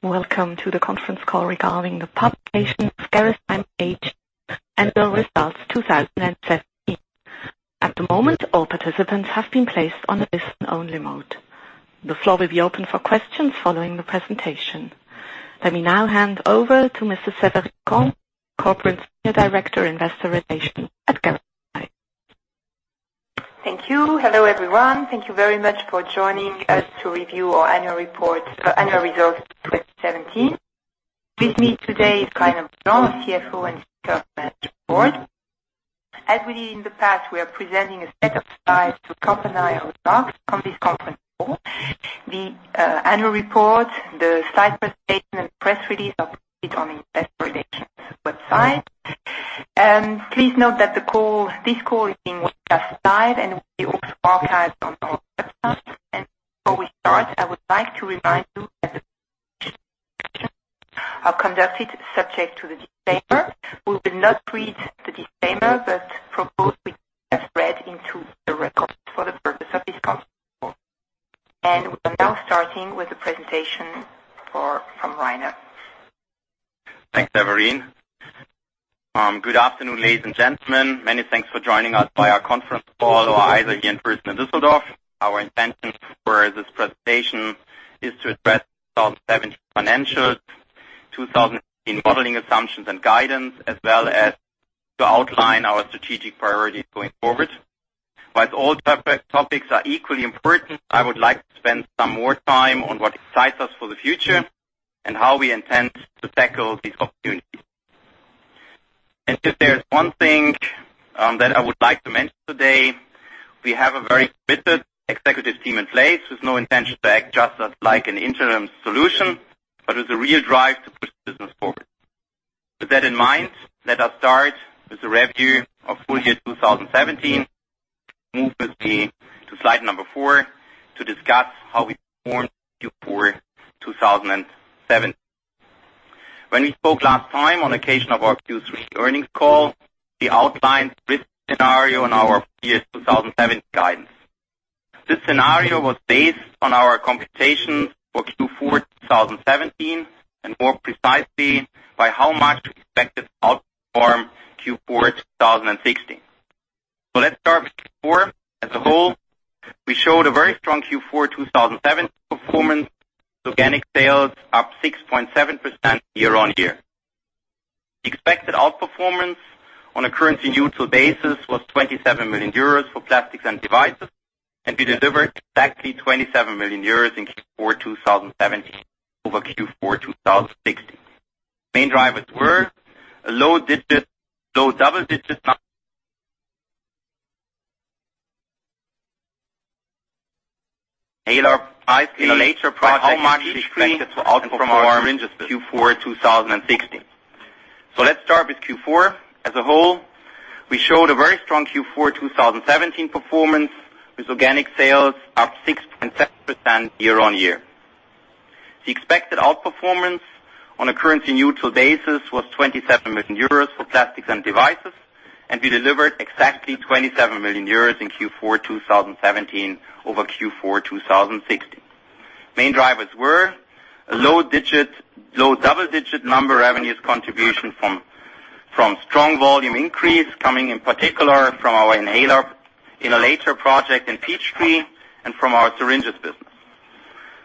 Welcome to the conference call regarding the publication of Gerresheimer AG annual results 2017. At the moment, all participants have been placed on a listen-only mode. The floor will be open for questions following the presentation. Let me now hand over to Mrs. Severine Kamp, Corporate Senior Director, Investor Relations at Gerresheimer. Thank you. Hello, everyone. Thank you very much for joining us to review our annual results 2017. With me today is Rainer Beaujean, CFO and Speaker of the Management Board. As we did in the past, we are presenting a set of slides to accompany our results from this conference call. The annual report, the compliance statement, press release are posted on the Investor Relations website. Please note that this call is being recorded and will be also archived on our website. Before we start, I would like to remind you that are conducted subject to the disclaimer. We will not read the disclaimer, but propose we have read into the record for the purpose of this conference call. We are now starting with the presentation from Rainer. Thanks, Severine. Good afternoon, ladies and gentlemen. Many thanks for joining us via our conference call, or either here in person in Düsseldorf. Our intentions for this presentation is to address 2017 financials, 2018 modeling assumptions and guidance, as well as to outline our strategic priorities going forward. While all topics are equally important, I would like to spend some more time on what excites us for the future and how we intend to tackle these opportunities. If there's one thing that I would like to mention today, we have a very committed executive team in place with no intention to act just as like an interim solution, but with a real drive to push the business forward. With that in mind, let us start with the review of full year 2017. Move with me to slide number four to discuss how we performed Q4 2017. When we spoke last time on occasion of our Q3 earnings call, we outlined risk scenario and our PS 2017 guidance. This scenario was based on our computation for Q4 2017, and more precisely, by how much we expected to outperform Q4 2016. Let's start with Q4 as a whole. We showed a very strong Q4 2017 performance with organic sales up 6.7% year-on-year. The expected outperformance on a currency neutral basis was 27 million euros for Plastics & Devices, and we delivered exactly 27 million euros in Q4 2017 over Q4 2016. Main drivers were a low double-digit number inhaler price by how much we expected to outperform Q4 2016. Let's start with Q4 as a whole. We showed a very strong Q4 2017 performance with organic sales up 6.7% year-on-year. The expected outperformance on a currency neutral basis was €27 million for Plastics & Devices, and we delivered exactly €27 million in Q4 2017 over Q4 2016. Main drivers were a low double-digit number revenues contribution from strong volume increase coming in particular from our inhalator project in Peachtree and from our syringes business.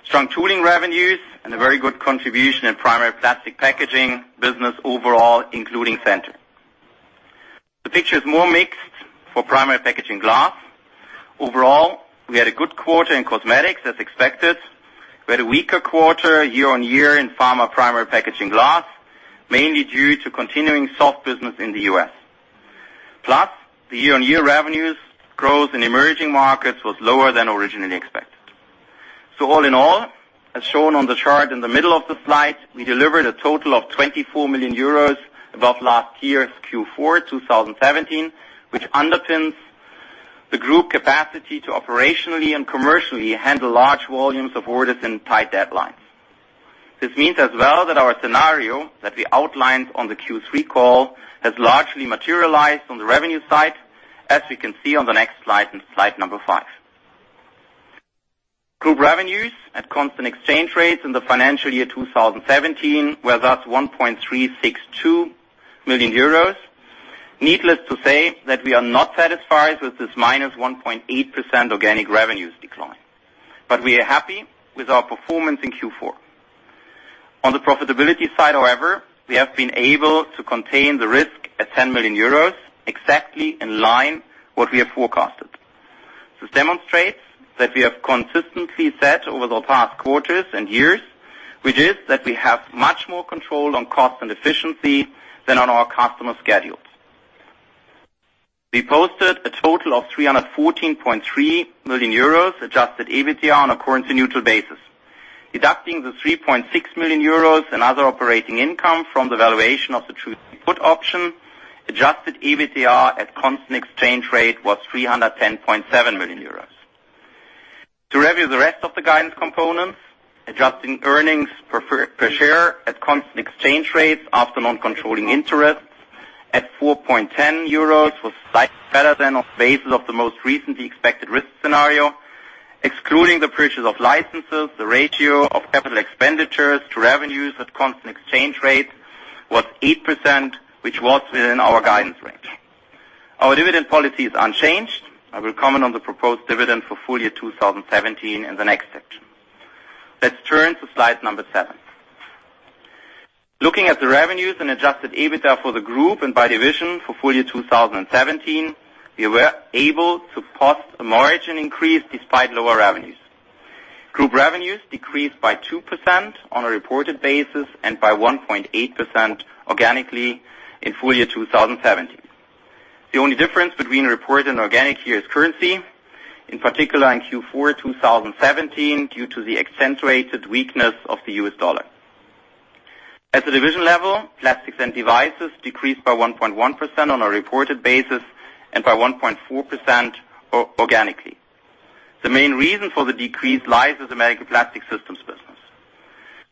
Strong tooling revenues and a very good contribution in primary plastic packaging business overall, including Centor. The picture is more mixed for Primary Packaging Glass. Overall, we had a good quarter in cosmetics as expected. We had a weaker quarter year-on-year in pharma Primary Packaging Glass, mainly due to continuing soft business in the U.S. The year-on-year revenues growth in emerging markets was lower than originally expected. All in all, as shown on the chart in the middle of the slide, we delivered a total of €24 million above last year's Q4 2017, which underpins the group capacity to operationally and commercially handle large volumes of orders in tight deadlines. This means as well that our scenario that we outlined on the Q3 call has largely materialized on the revenue side, as we can see on the next slide, in slide number five. Group revenues at constant exchange rates in the financial year 2017 were thus €1.362 million. Needless to say that we are not satisfied with this -1.8% organic revenues decline. We are happy with our performance in Q4. On the profitability side, however, we have been able to contain the risk at €10 million, exactly in line what we have forecasted. This demonstrates that we have consistently said over the past quarters and years, which is that we have much more control on cost and efficiency than on our customer schedules. We posted a total of €314.3 million adjusted EBITDA on a currency neutral basis. Deducting the €3.6 million in other operating income from the valuation of the Triveni put option, adjusted EBITDA at constant exchange rate was €310.7 million. To review the rest of the guidance components, adjusting earnings per share at constant exchange rates after non-controlling interest €4.10, it was slightly better than on basis of the most recently expected risk scenario. Excluding the purchase of licenses, the ratio of capital expenditures to revenues at constant exchange rate was 8%, which was within our guidance range. Our dividend policy is unchanged. I will comment on the proposed dividend for full year 2017 in the next section. Let's turn to slide number seven. Looking at the revenues and adjusted EBITDA for the group and by division for full year 2017, we were able to post a margin increase despite lower revenues. Group revenues decreased by 2% on a reported basis and by 1.8% organically in full year 2017. The only difference between reported and organic here is currency, in particular in Q4 2017, due to the accentuated weakness of the US dollar. At the division level, Plastics & Devices decreased by 1.1% on a reported basis and by 1.4% organically. The main reason for the decrease lies with the medical plastics systems business.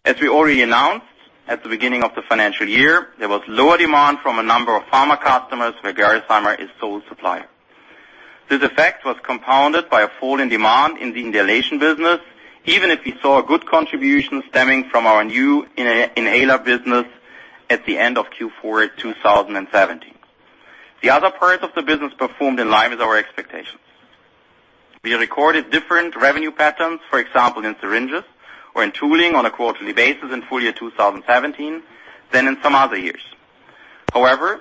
As we already announced at the beginning of the financial year, there was lower demand from a number of pharma customers where Gerresheimer is sole supplier. This effect was compounded by a fall in demand in the inhalation business, even if we saw a good contribution stemming from our new inhaler business at the end of Q4 2017. The other parts of the business performed in line with our expectations. We recorded different revenue patterns, for example, in syringes or in tooling on a quarterly basis in full year 2017 than in some other years. However,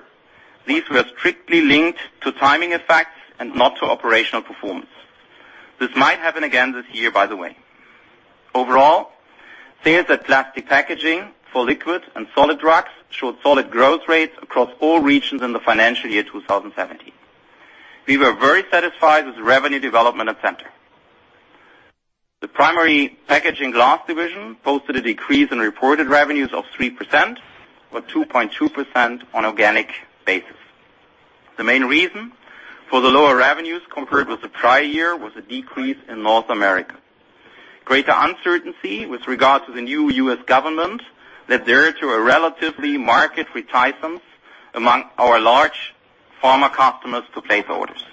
these were strictly linked to timing effects and not to operational performance. This might happen again this year, by the way. Overall, sales at plastic packaging for liquid and solid drugs showed solid growth rates across all regions in the financial year 2017. We were very satisfied with the revenue development at Centor. The Primary Packaging Glass division posted a decrease in reported revenues of 3%, or 2.2% on organic basis. The main reason for the lower revenues compared with the prior year was a decrease in North America. Greater uncertainty with regard to the new U.S. government led thereto a relatively market reticence among our large pharma customers to place orders.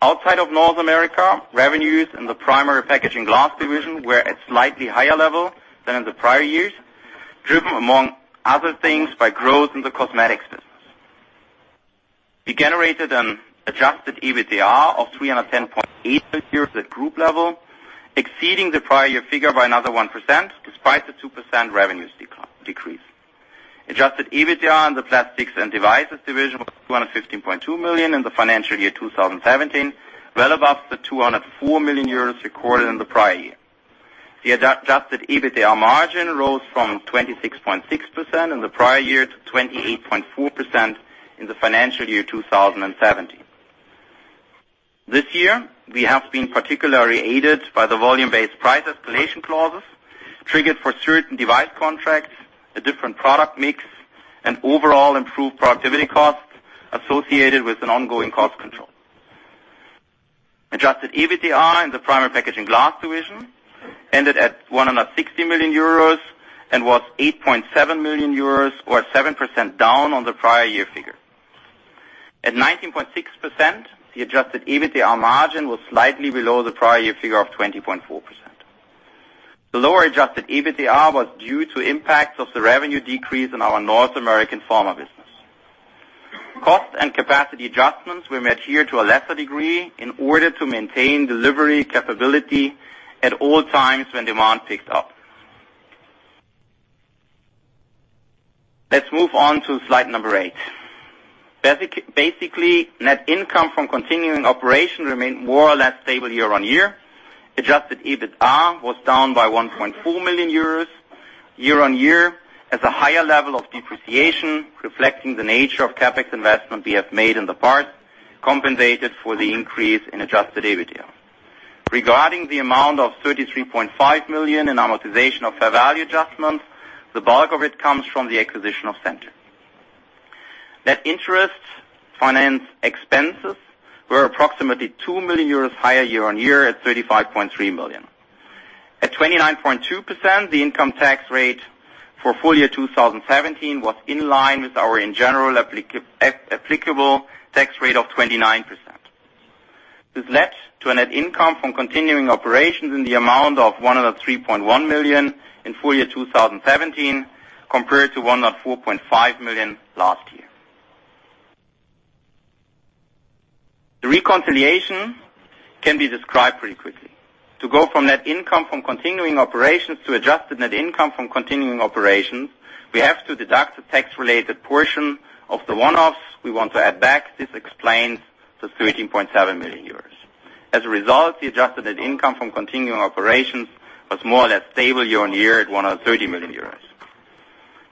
Outside of North America, revenues in the Primary Packaging Glass division were at slightly higher level than in the prior years, driven, among other things, by growth in the cosmetics business. We generated an adjusted EBITDA of 310.8 million euros at group level, exceeding the prior year figure by another 1%, despite the 2% revenues decrease. Adjusted EBITDA in the Plastics & Devices division was 215.2 million in the financial year 2017, well above the 204 million euros recorded in the prior year. The adjusted EBITDA margin rose from 26.6% in the prior year to 28.4% in the financial year 2017. This year, we have been particularly aided by the volume-based price escalation clauses triggered for certain device contracts, a different product mix, and overall improved productivity costs associated with an ongoing cost control. Adjusted EBITDA in the Primary Packaging Glass division ended at 160 million euros and was 8.7 million euros, or 7% down on the prior year figure. At 19.6%, the adjusted EBITDA margin was slightly below the prior year figure of 20.4%. The lower adjusted EBITDA was due to impacts of the revenue decrease in our North American pharma business. Cost and capacity adjustments were made here to a lesser degree in order to maintain delivery capability at all times when demand picks up. Let's move on to slide number eight. Basically, net income from continuing operation remained more or less stable year-on-year. Adjusted EBITA was down by 1.4 million euros year-on-year as a higher level of depreciation reflecting the nature of CapEx investment we have made in the past, compensated for the increase in adjusted EBITDA. Regarding the amount of 33.5 million in amortization of fair value adjustments, the bulk of it comes from the acquisition of Centor. Net interest finance expenses were approximately 2 million euros higher year-on-year at 35.3 million. At 29.2%, the income tax rate for full year 2017 was in line with our, in general, applicable tax rate of 29%. This led to a net income from continuing operations in the amount of 103.1 million in full year 2017, compared to 104.5 million last year. The reconciliation can be described pretty quickly. To go from net income from continuing operations to adjusted net income from continuing operations, we have to deduct the tax-related portion of the one-offs we want to add back. This explains the 13.7 million euros. As a result, the adjusted net income from continuing operations was more or less stable year-on-year at 130 million euros.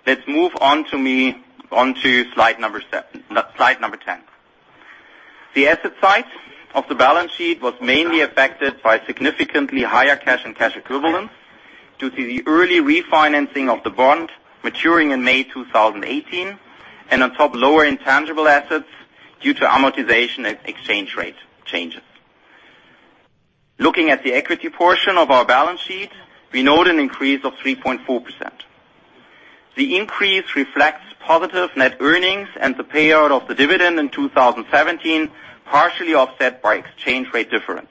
Let's move on to slide number 10. The asset side of the balance sheet was mainly affected by significantly higher cash and cash equivalents due to the early refinancing of the bond maturing in May 2018, and on top, lower intangible assets due to amortization and exchange rate changes. Looking at the equity portion of our balance sheet, we note an increase of 3.4%. The increase reflects positive net earnings and the payout of the dividend in 2017, partially offset by exchange rate difference.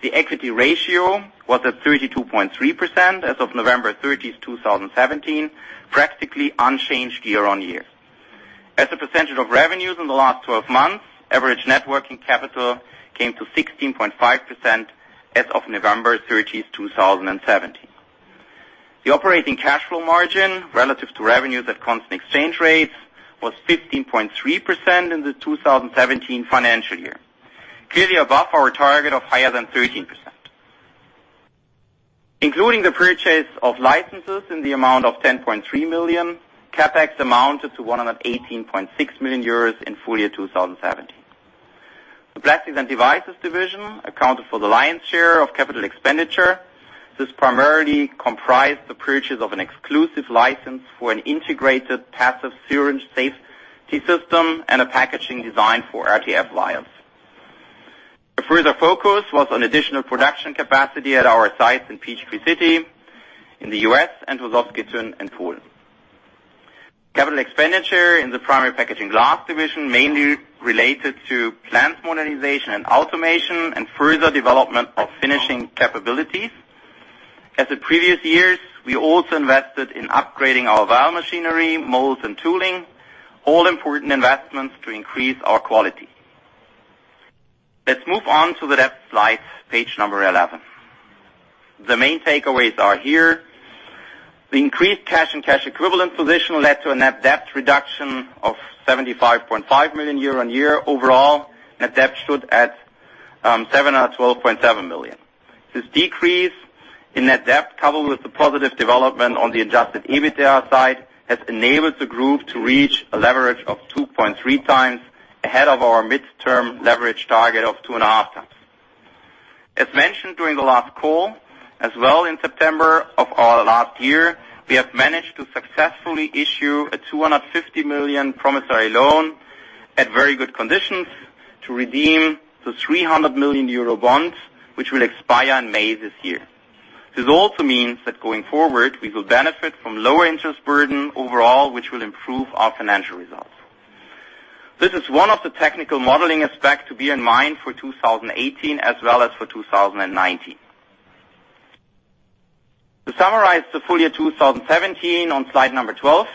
The equity ratio was at 32.3% as of November 30th, 2017, practically unchanged year-on-year. As a percentage of revenues in the last 12 months, average net working capital came to 16.5% as of November 30th, 2017. The operating cash flow margin, relative to revenues at constant exchange rates, was 15.3% in the 2017 financial year, clearly above our target of higher than 13%. Including the purchase of licenses in the amount of 10.3 million, CapEx amounted to 118.6 million euros in full year 2017. The Plastics & Devices division accounted for the lion's share of capital expenditure. This primarily comprised the purchase of an exclusive license for an integrated passive syringe safety system and a packaging design for RTF vials. A further focus was on additional production capacity at our sites in Peachtree City, in the U.S., and Koziegłowy in Poland. Capital expenditure in the Primary Packaging Glass division mainly related to plant modernization and automation and further development of finishing capabilities. As in previous years, we also invested in upgrading our vial machinery, molds and tooling, all important investments to increase our quality. Let's move on to the next slide, page number 11. The main takeaways are here. The increased cash and cash equivalent position led to a net debt reduction of 75.5 million year-on-year. Overall, net debt stood at 712.7 million. This decrease in net debt, coupled with the positive development on the adjusted EBITDA side, has enabled the group to reach a leverage of 2.3 times, ahead of our midterm leverage target of two and a half times. As mentioned during the last call, as well in September of our last year, we have managed to successfully issue a 250 million promissory loan at very good conditions to redeem the 300 million euro bonds, which will expire in May this year. This also means that going forward, we will benefit from lower interest burden overall, which will improve our financial results. This is one of the technical modeling aspects to bear in mind for 2018 as well as for 2019. To summarize the full year 2017 on slide number 12,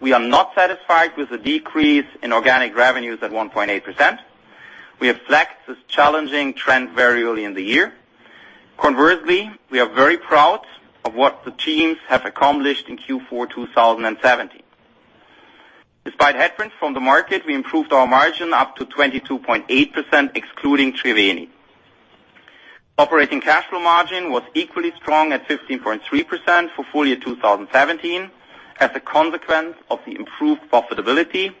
we are not satisfied with the decrease in organic revenues at 1.8%. We have flagged this challenging trend very early in the year. Conversely, we are very proud of what the teams have accomplished in Q4 2017. Despite headwinds from the market, we improved our margin up to 22.8%, excluding Triveni. Operating cash flow margin was equally strong at 15.3% for full year 2017, as a consequence of the improved profitability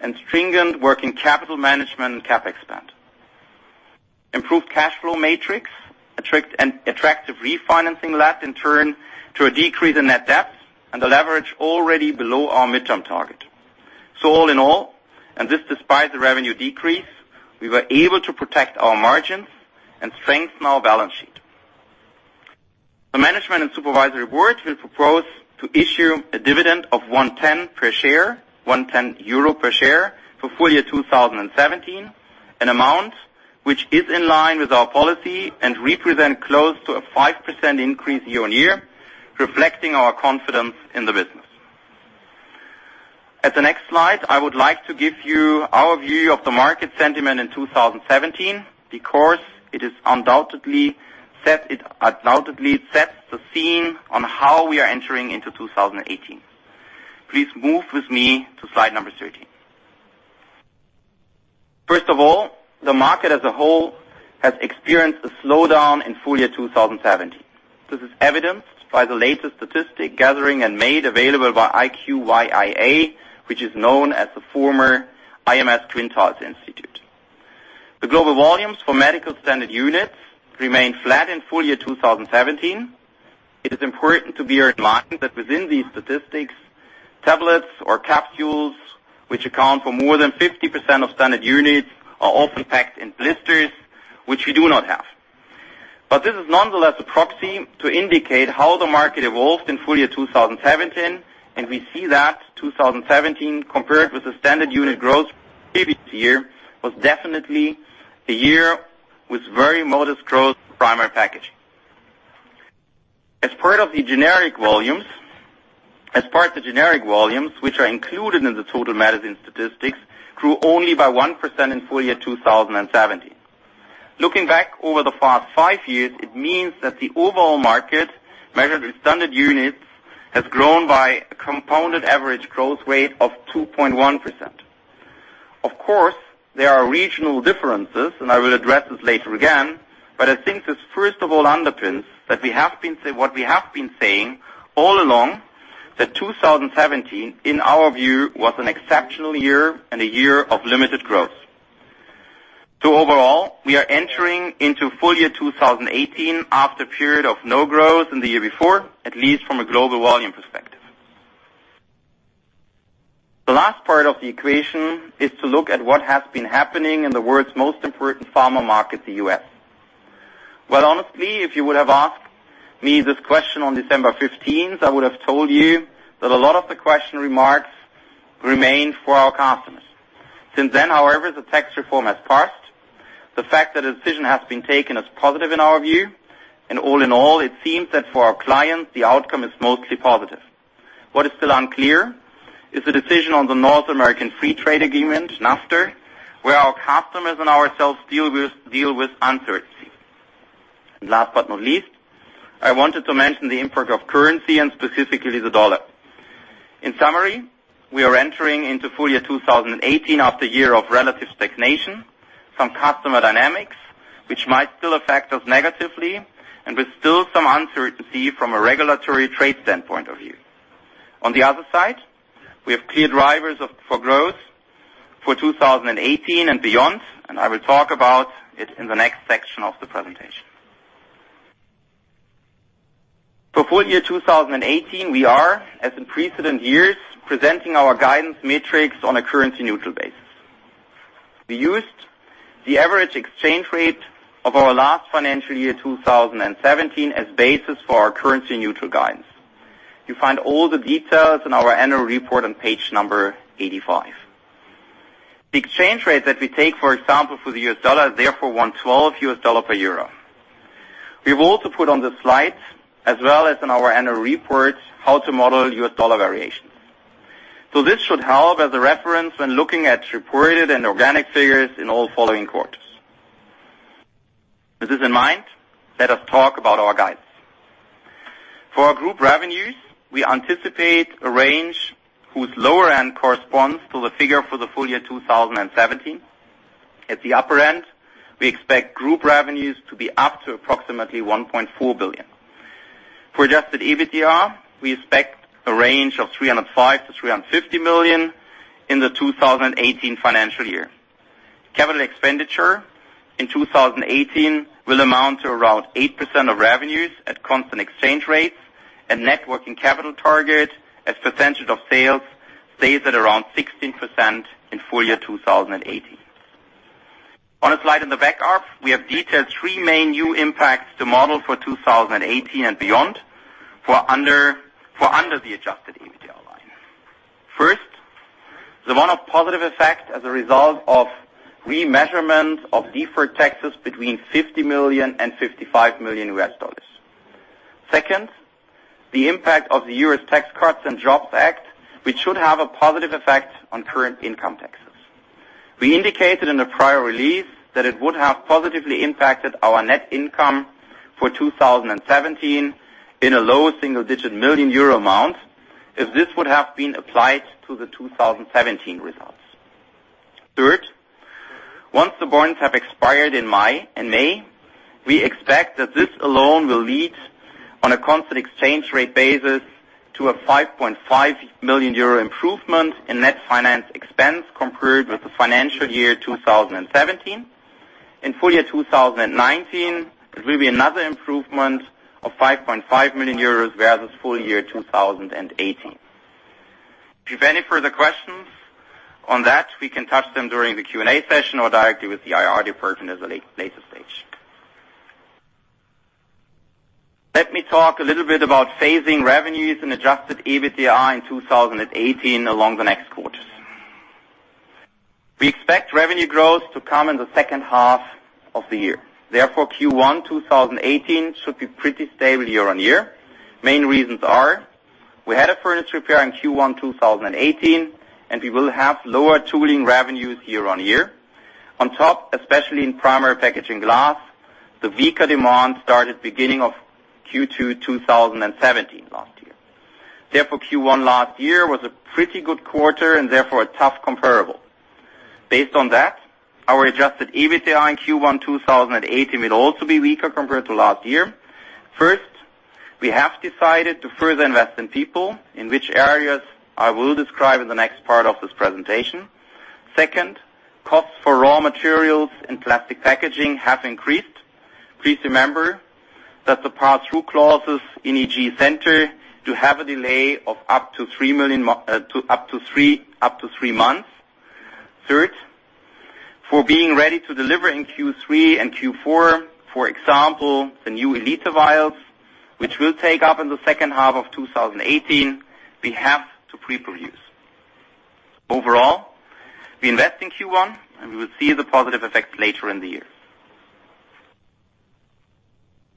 and stringent working capital management and CapEx spend. Improved cash flow matrix, attractive refinancing led in turn to a decrease in net debt and a leverage already below our midterm target. All in all, and this despite the revenue decrease, we were able to protect our margins and strengthened our balance sheet. The management and supervisory board will propose to issue a dividend of 1.10 euro per share for full year 2017, an amount which is in line with our policy and represent close to a 5% increase year-on-year, reflecting our confidence in the business. At the next slide, I would like to give you our view of the market sentiment in 2017, because it undoubtedly sets the scene on how we are entering into 2018. Please move with me to slide number 13. First of all, the market as a whole has experienced a slowdown in full year 2017. This is evidenced by the latest statistic gathering and made available by IQVIA, which is known as the former IMS Quintiles Institute. The global volumes for medical standard units remained flat in full year 2017. It is important to bear in mind that within these statistics, tablets or capsules, which account for more than 50% of standard units, are often packed in blisters, which we do not have. This is nonetheless a proxy to indicate how the market evolved in full year 2017, and we see that 2017, compared with the standard unit growth previous year, was definitely a year with very modest growth in primary packaging. As part of the generic volumes, which are included in the total medicine statistics, grew only by 1% in full year 2017. Looking back over the past five years, it means that the overall market, measured with standard units, has grown by a compounded average growth rate of 2.1%. Of course, there are regional differences, and I will address this later again, but I think this first of all underpins what we have been saying all along, that 2017, in our view, was an exceptional year and a year of limited growth. Overall, we are entering into full year 2018 after a period of no growth in the year before, at least from a global volume perspective. The last part of the equation is to look at what has been happening in the world's most important pharma market, the U.S. Honestly, if you would have asked me this question on December 15th, I would have told you that a lot of the question remarks remain for our customers. Since then, however, the tax reform has passed. The fact that a decision has been taken is positive in our view, and all in all, it seems that for our clients, the outcome is mostly positive. What is still unclear is the decision on the North American Free Trade Agreement, NAFTA, where our customers and ourselves deal with uncertainty. Last but not least, I wanted to mention the impact of currency and specifically the dollar. In summary, we are entering into full year 2018 after a year of relative stagnation, some customer dynamics, which might still affect us negatively, and with still some uncertainty from a regulatory trade standpoint of view. On the other side, we have clear drivers for growth for 2018 and beyond. I will talk about it in the next section of the presentation. For full year 2018, we are, as in precedent years, presenting our guidance matrix on a currency-neutral basis. We used the average exchange rate of our last financial year, 2017, as basis for our currency-neutral guidance. You find all the details in our annual report on page number 85. The exchange rate that we take, for example, for the U.S. dollar is therefore 112 U.S. dollar per EUR. We have also put on the slides, as well as in our annual report, how to model U.S. dollar variations. This should help as a reference when looking at reported and organic figures in all following quarters. With this in mind, let us talk about our guidance. For our group revenues, we anticipate a range whose lower end corresponds to the figure for the full year 2017. At the upper end, we expect group revenues to be up to approximately 1.4 billion. For adjusted EBITDA, we expect a range of 305 million to 350 million in the 2018 financial year. Capital expenditure in 2018 will amount to around 8% of revenues at constant exchange rates, and net working capital target as percentage of sales stays at around 16% in full year 2018. On a slide in the back up, we have detailed three main new impacts to model for 2018 and beyond for under the adjusted EBITDA line. First, the one-off positive effect as a result of remeasurement of deferred taxes between EUR 50 million-EUR 55 million. Second, the impact of the U.S. Tax Cuts and Jobs Act, which should have a positive effect on current income taxes. We indicated in the prior release that it would have positively impacted our net income for 2017 in a low single-digit million EUR amount if this would have been applied to the 2017 results. Third, once the bonds have expired in May, we expect that this alone will lead, on a constant exchange rate basis, to a 5.5 million euro improvement in net finance expense compared with the financial year 2017. In full year 2019, there will be another improvement of 5.5 million euros whereas full year 2018. If you've any further questions on that, we can touch them during the Q&A session or directly with the IR department at a later stage. Let me talk a little bit about phasing revenues and adjusted EBITDA in 2018 along the next quarters. We expect revenue growth to come in the second half of the year. Therefore, Q1 2018 should be pretty stable year-on-year. Main reasons are, we had a furnace repair in Q1 2018, and we will have lower tooling revenues year-on-year. On top, especially in Primary Packaging Glass, the weaker demand started beginning of Q2 2017 last year. Therefore, Q1 last year was a pretty good quarter and therefore a tough comparable. Based on that, our adjusted EBITDA in Q1 2018 will also be weaker compared to last year. First, we have decided to further invest in people in which areas I will describe in the next part of this presentation. Second, costs for raw materials and plastic packaging have increased. Please remember that the pass-through clauses in Centor do have a delay of up to 3 months. Third, for being ready to deliver in Q3 and Q4, for example, the new Gx Elite vials, which will take up in the second half of 2018, we have to pre-produce. Overall, we invest in Q1, and we will see the positive effects later in the year.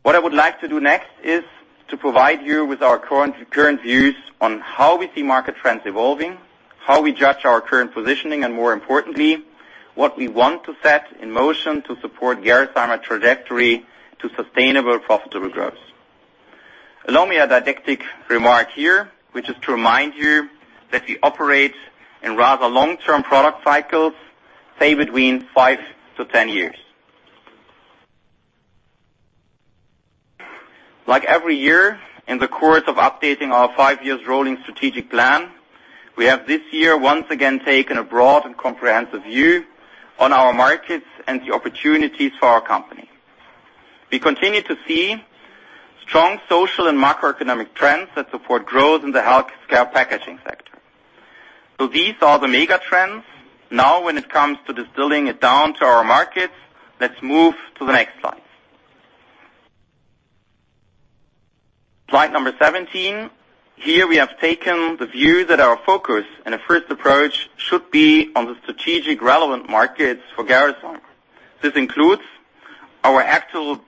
What I would like to do next is to provide you with our current views on how we see market trends evolving, how we judge our current positioning, and more importantly, what we want to set in motion to support Gerresheimer trajectory to sustainable profitable growth. Allow me a didactic remark here, which is to remind you that we operate in rather long-term product cycles, say between 5 to 10 years. Like every year, in the course of updating our five years rolling strategic plan, we have this year once again taken a broad and comprehensive view on our markets and the opportunities for our company. We continue to see strong social and macroeconomic trends that support growth in the healthcare packaging sector. These are the mega trends. When it comes to distilling it down to our markets, let's move to the next slide. Slide number 17. Here we have taken the view that our focus and a first approach should be on the strategic relevant markets for Gerresheimer. This includes our actual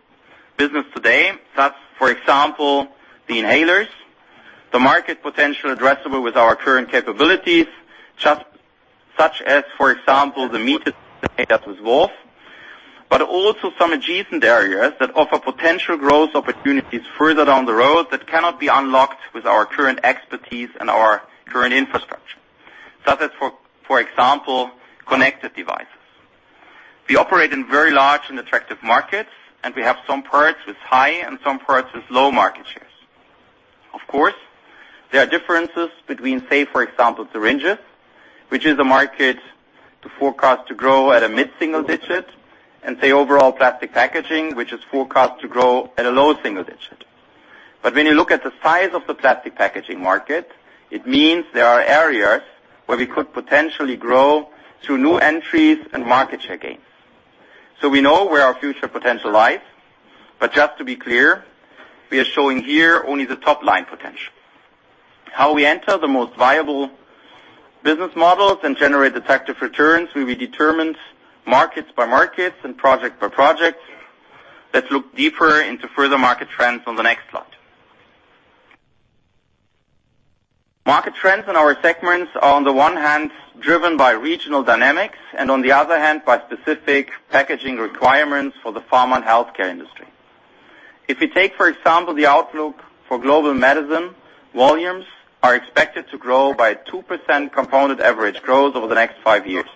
business today. Thus, for example, the inhalers, the market potential addressable with our current capabilities, such as, for example, the meters with Wolf. Also some adjacent areas that offer potential growth opportunities further down the road that cannot be unlocked with our current expertise and our current infrastructure, such as, for example, connected devices. We operate in very large and attractive markets, and we have some parts with high and some parts with low market shares. Of course, there are differences between, say, for example, syringes, which is a market to forecast to grow at a mid-single digit, and say, overall, plastic packaging, which is forecast to grow at a low single digit. When you look at the size of the plastic packaging market, it means there are areas where we could potentially grow through new entries and market share gains. We know where our future potential lies, but just to be clear, we are showing here only the top-line potential. How we enter the most viable business models and generate attractive returns will be determined markets by markets and project by project. Let's look deeper into further market trends on the next slide. Market trends in our segments are, on the one hand, driven by regional dynamics, and on the other hand, by specific packaging requirements for the pharma and healthcare industry. If we take, for example, the outlook for global medicine, volumes are expected to grow by 2% compounded average growth over the next five years.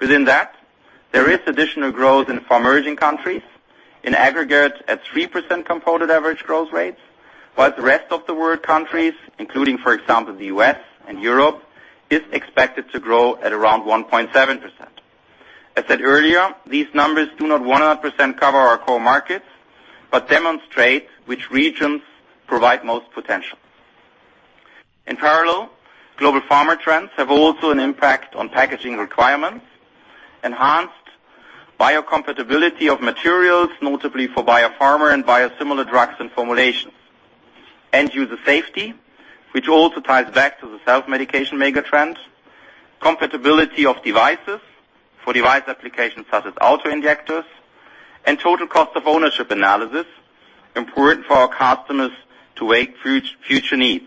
Within that, there is additional growth in emerging countries, in aggregate at 3% compounded average growth rates, while the rest of the world countries, including, for example, the U.S. and Europe, is expected to grow at around 1.7%. I said earlier, these numbers do not 100% cover our core markets, but demonstrate which regions provide most potential. In parallel, global pharma trends have also an impact on packaging requirements, enhanced biocompatibility of materials, notably for biopharma and biosimilar drugs and formulations. End user safety, which also ties back to the self-medication mega trends. Compatibility of devices for device applications such as auto-injectors. Total cost of ownership analysis, important for our customers to weigh future needs.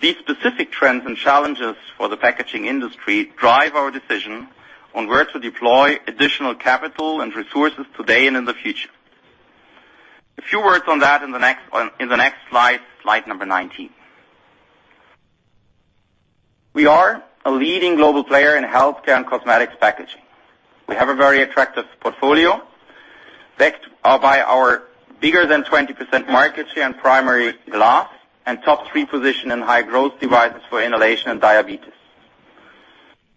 These specific trends and challenges for the packaging industry drive our decision on where to deploy additional capital and resources today and in the future. A few words on that in the next slide 19. We are a leading global player in healthcare and cosmetics packaging. We have a very attractive portfolio, backed by our bigger than 20% market share in primary glass and top three position in high-growth devices for inhalation and diabetes.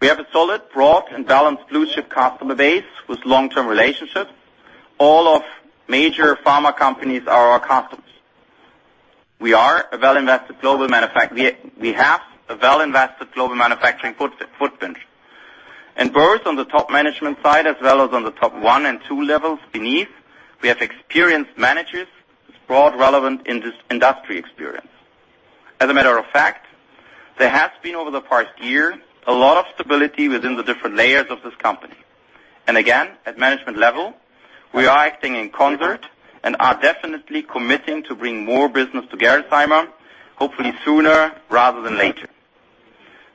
We have a solid, broad, and balanced blue-chip customer base with long-term relationships. All of major pharma companies are our customers. We have a well-invested global manufacturing footprint. Both on the top management side as well as on the top one and two levels beneath, we have experienced managers with broad relevant industry experience. As a matter of fact, there has been, over the past year, a lot of stability within the different layers of this company. Again, at management level, we are acting in concert and are definitely committing to bring more business to Gerresheimer, hopefully sooner rather than later.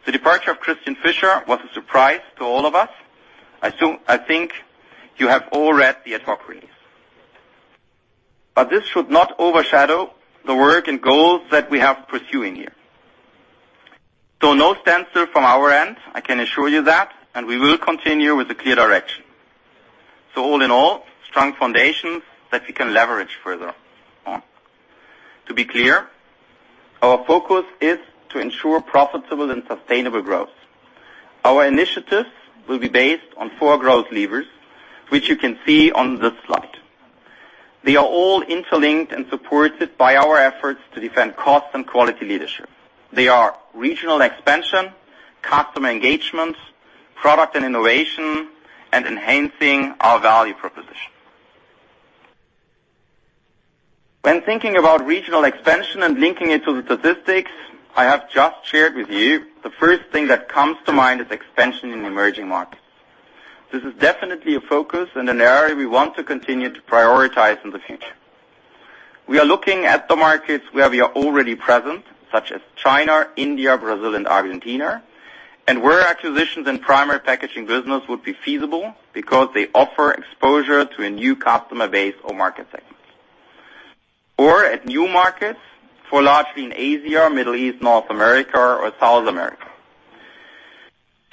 The departure of Christian Fischer was a surprise to all of us. I think you have all read the ad hoc release. This should not overshadow the work and goals that we are pursuing here. No standstill from our end, I can assure you that, and we will continue with a clear direction. All in all, strong foundations that we can leverage further on. To be clear, our focus is to ensure profitable and sustainable growth. Our initiatives will be based on four growth levers, which you can see on this slide. They are all interlinked and supported by our efforts to defend cost and quality leadership. They are regional expansion, customer engagement, product and innovation, and enhancing our value proposition. When thinking about regional expansion and linking it to the statistics I have just shared with you, the first thing that comes to mind is expansion in emerging markets. This is definitely a focus and an area we want to continue to prioritize in the future. We are looking at the markets where we are already present, such as China, India, Brazil, and Argentina, and where acquisitions and primary packaging business would be feasible because they offer exposure to a new customer base or market segment. At new markets for largely in Asia, Middle East, North America, or South America.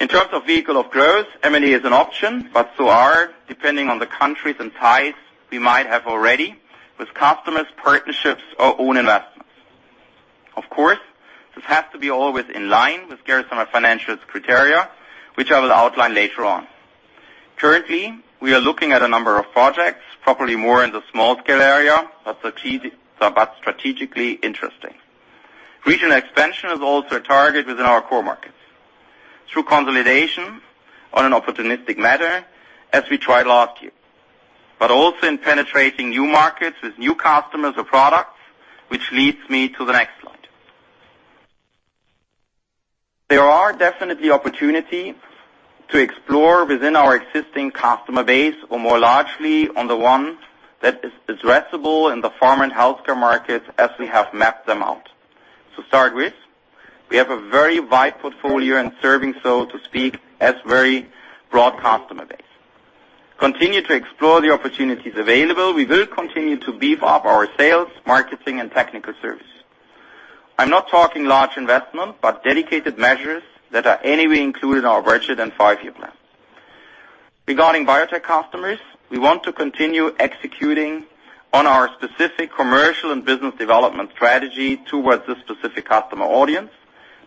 In terms of vehicle of growth, M&A is an option, but so are, depending on the countries and ties we might have already with customers, partnerships, or own investments. Of course, this has to be always in line with Gerresheimer Financial's criteria, which I will outline later on. Currently, we are looking at a number of projects, probably more in the small-scale area, but strategically interesting. Regional expansion is also a target within our core markets through consolidation on an opportunistic matter as we tried last year, but also in penetrating new markets with new customers or products, which leads me to the next slide. There are definitely opportunities to explore within our existing customer base or more largely on the one that is addressable in the pharma and healthcare markets as we have mapped them out. To start with, we have a very wide portfolio and serving so to speak, as very broad customer base. Continue to explore the opportunities available. We will continue to beef up our sales, marketing, and technical service. I'm not talking large investment, but dedicated measures that are anyway included in our budget and 5-year plan. Regarding biotech customers, we want to continue executing on our specific commercial and business development strategy towards this specific customer audience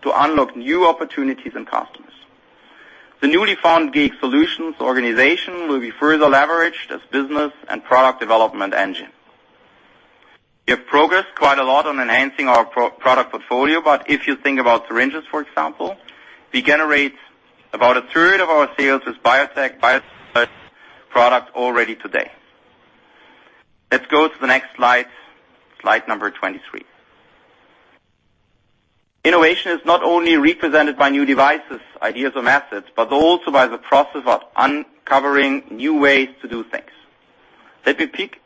to unlock new opportunities and customers. The newly found Gx Solutions organization will be further leveraged as business and product development engine. We have progressed quite a lot on enhancing our product portfolio, but if you think about syringes, for example, we generate about a third of our sales with biotech products already today. Let's go to the next slide number 23. Innovation is not only represented by new devices, ideas or methods, but also by the process of uncovering new ways to do things. Let me pick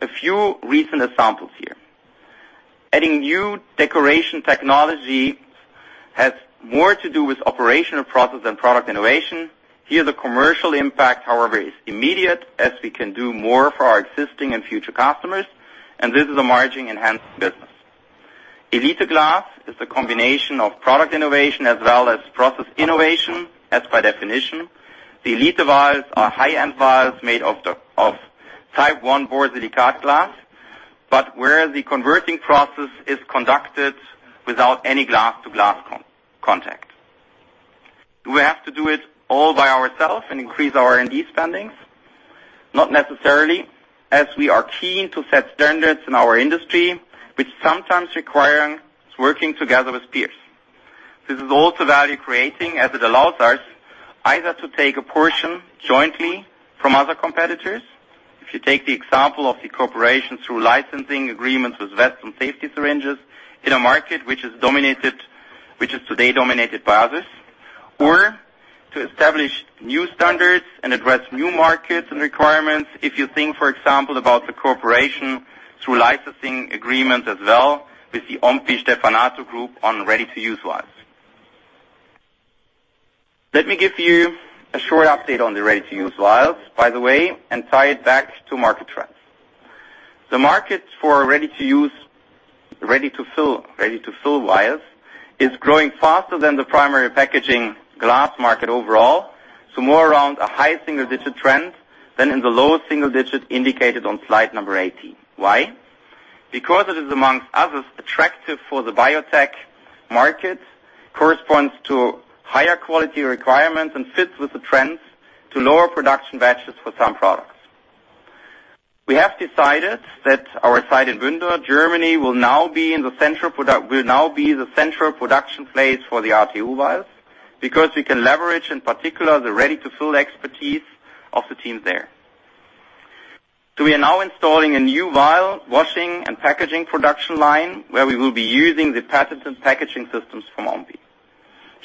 a few recent examples here. Adding new decoration technology has more to do with operational process than product innovation. The commercial impact, however, is immediate as we can do more for our existing and future customers, and this is a margin-enhancing business. Gx Elite Glass is the combination of product innovation as well as process innovation, as by definition. The Gx Elite vials are high-end vials made of Type I borosilicate glass, but where the converting process is conducted without any glass-to-glass contact. Do we have to do it all by ourselves and increase our R&D spending? Not necessarily, as we are keen to set standards in our industry, which sometimes requires working together with peers. This is also value-creating as it allows us either to take a portion jointly from other competitors. If you take the example of the cooperation through licensing agreements with West and safety syringes in a market which is today dominated by others, or to establish new standards and address new markets and requirements. If you think, for example, about the cooperation through licensing agreements as well with Ompi on Ready-to-Use vials. Let me give you a short update on the Ready-to-Use vials, by the way, and tie it back to market trends. The markets for Ready-to-Fill vials is growing faster than the Primary Packaging Glass market overall, so more around a high single-digit trend than in the low single digits indicated on slide number 18. Why? Because it is amongst others, attractive for the biotech markets, corresponds to higher quality requirements, and fits with the trends to lower production batches for some products. We have decided that our site in Bünde, Germany, will now be the central production place for the RTU vials because we can leverage, in particular, the ready-to-fill expertise of the teams there. We are now installing a new vial washing and packaging production line where we will be using the patents and packaging systems from Ompi.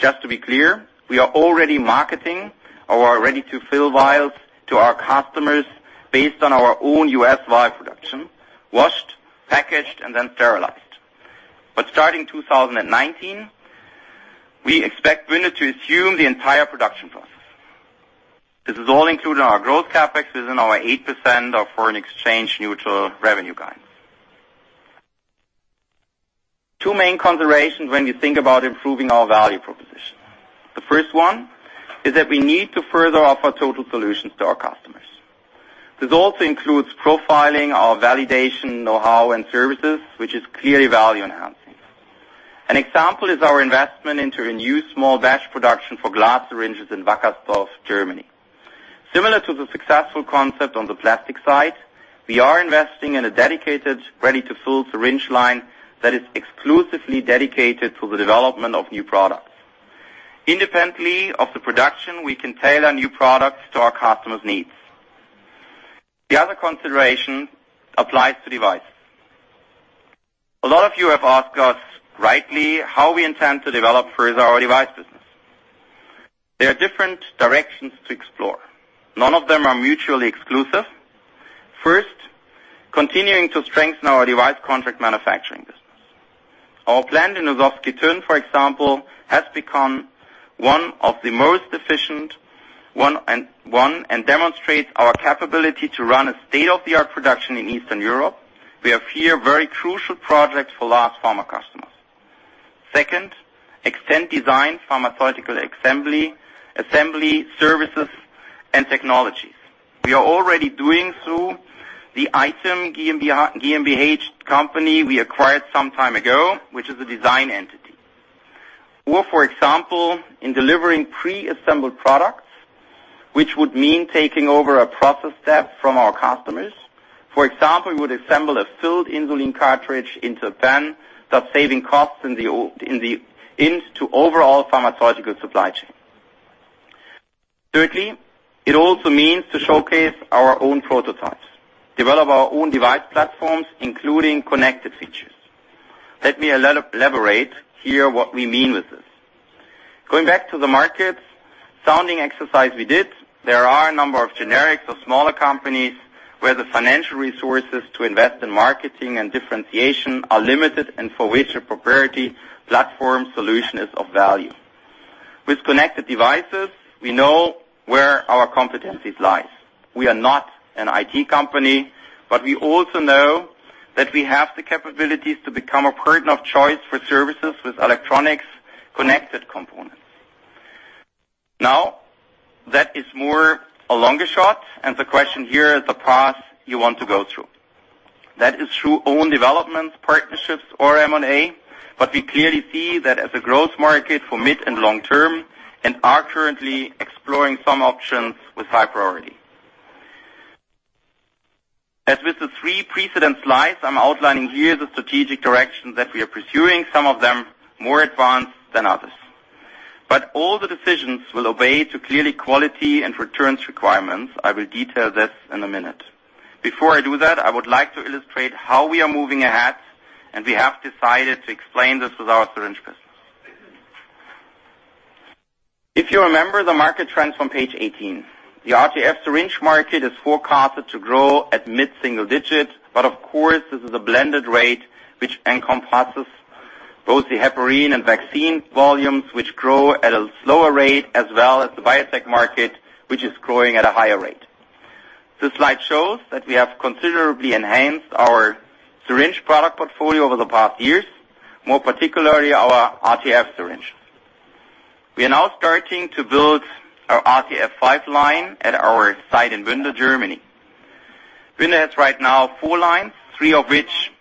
Just to be clear, we are already marketing our ready-to-fill vials to our customers based on our own U.S. vial production, washed, packaged, and then sterilized. Starting 2019, we expect Bünde to assume the entire production process. This is all included in our growth CapEx is in our 8% of foreign exchange neutral revenue guidance. Two main considerations when you think about improving our value proposition. The first one is that we need to further offer total solutions to our customers. This also includes profiling our validation know-how and services, which is clearly value-enhancing. An example is our investment into a new small batch production for glass syringes in Wackersdorf, Germany. Similar to the successful concept on the plastic side, we are investing in a dedicated, ready-to-fill syringe line that is exclusively dedicated to the development of new products. Independently of the production, we can tailor new products to our customers' needs. The other consideration applies to devices. A lot of you have asked us rightly how we intend to develop further our device business. There are different directions to explore. None of them are mutually exclusive. First, continuing to strengthen our device contract manufacturing business. Our plant in Horšovský Týn for example, has become one of the most efficient one and demonstrates our capability to run a state-of-the-art production in Eastern Europe. We have here very crucial projects for large pharma customers. Second, extend design, pharmaceutical assembly, services, and technologies. We are already doing so. The item GmbH company we acquired some time ago, which is a design entity. For example, in delivering pre-assembled products, which would mean taking over a process step from our customers. For example, we would assemble a filled insulin cartridge into a pen, thus saving costs into overall pharmaceutical supply chain. Thirdly, it also means to showcase our own prototypes, develop our own device platforms, including connected features. Let me elaborate here what we mean with this. Going back to the market sounding exercise we did, there are a number of generics of smaller companies where the financial resources to invest in marketing and differentiation are limited and for which a proprietary platform solution is of value. With connected devices, we know where our competencies lie. We are not an IT company, but we also know that we have the capabilities to become a partner of choice for services with electronics connected components. That is more a longer shot. The question here is the path you want to go through. Through own development, partnerships or M&A, we clearly see that as a growth market for mid and long term and are currently exploring some options with high priority. As with the three precedent slides, I am outlining here the strategic direction that we are pursuing, some of them more advanced than others. All the decisions will obey to clearly quality and returns requirements. I will detail this in a minute. Before I do that, I would like to illustrate how we are moving ahead. We have decided to explain this with our syringe business. If you remember the market trends from page 18, the RTF syringe market is forecasted to grow at mid-single digit, but of course, this is a blended rate which encompasses both the heparin and vaccine volumes, which grow at a slower rate, as well as the biopharma market, which is growing at a higher rate. This slide shows that we have considerably enhanced our syringe product portfolio over the past years, more particularly our RTF syringe. We are now starting to build our RTF 5 line at our site in Römhild, Germany. Römhild has right now 4 lines, 3 of which,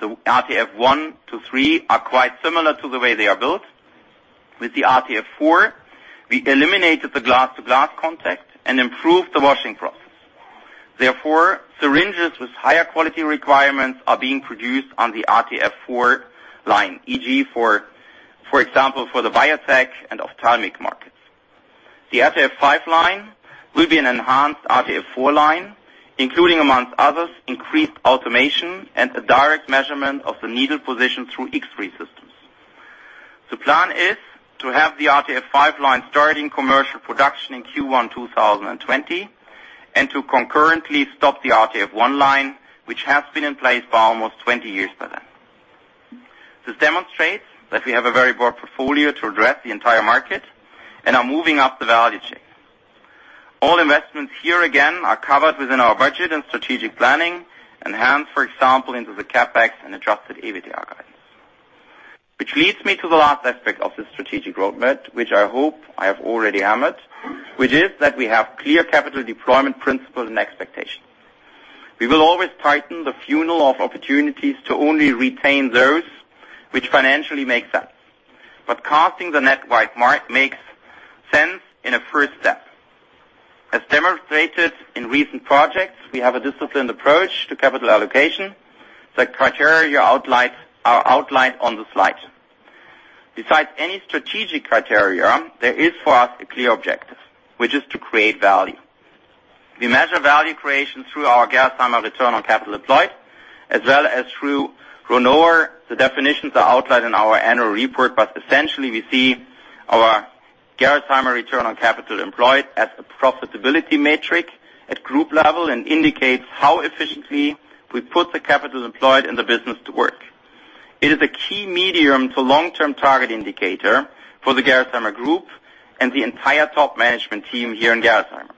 the RTF 1 to 3 are quite similar to the way they are built. With the RTF 4, we eliminated the glass-to-glass contact and improved the washing process. Syringes with higher quality requirements are being produced on the RTF 4 line, e.g., for example, for the biopharma and ophthalmic markets. The RTF 5 line will be an enhanced RTF 4 line, including amongst others, increased automation and a direct measurement of the needle position through X-ray systems. The plan is to have the RTF 5 line starting commercial production in Q1 2020, and to concurrently stop the RTF 1 line, which has been in place for almost 20 years by then. This demonstrates that we have a very broad portfolio to address the entire market and are moving up the value chain. All investments here again are covered within our budget and strategic planning and hence, for example, into the CapEx and adjusted EBITDA guidance. This leads me to the last aspect of this strategic roadmap, which I hope I have already hammered, which is that we have clear capital deployment principles and expectations. We will always tighten the funnel of opportunities to only retain those which financially make sense. Casting the net wide makes sense in a first step. As demonstrated in recent projects, we have a disciplined approach to capital allocation. The criteria are outlined on the slide. Besides any strategic criteria, there is for us a clear objective, which is to create value. We measure value creation through our Gerresheimer return on capital employed, as well as through RONOA. The definitions are outlined in our annual report, but essentially we see our Gerresheimer return on capital employed as a profitability metric at group level and indicates how efficiently we put the capital employed in the business to work. It is a key medium to long-term target indicator for the Gerresheimer Group and the entire top management team here in Gerresheimer.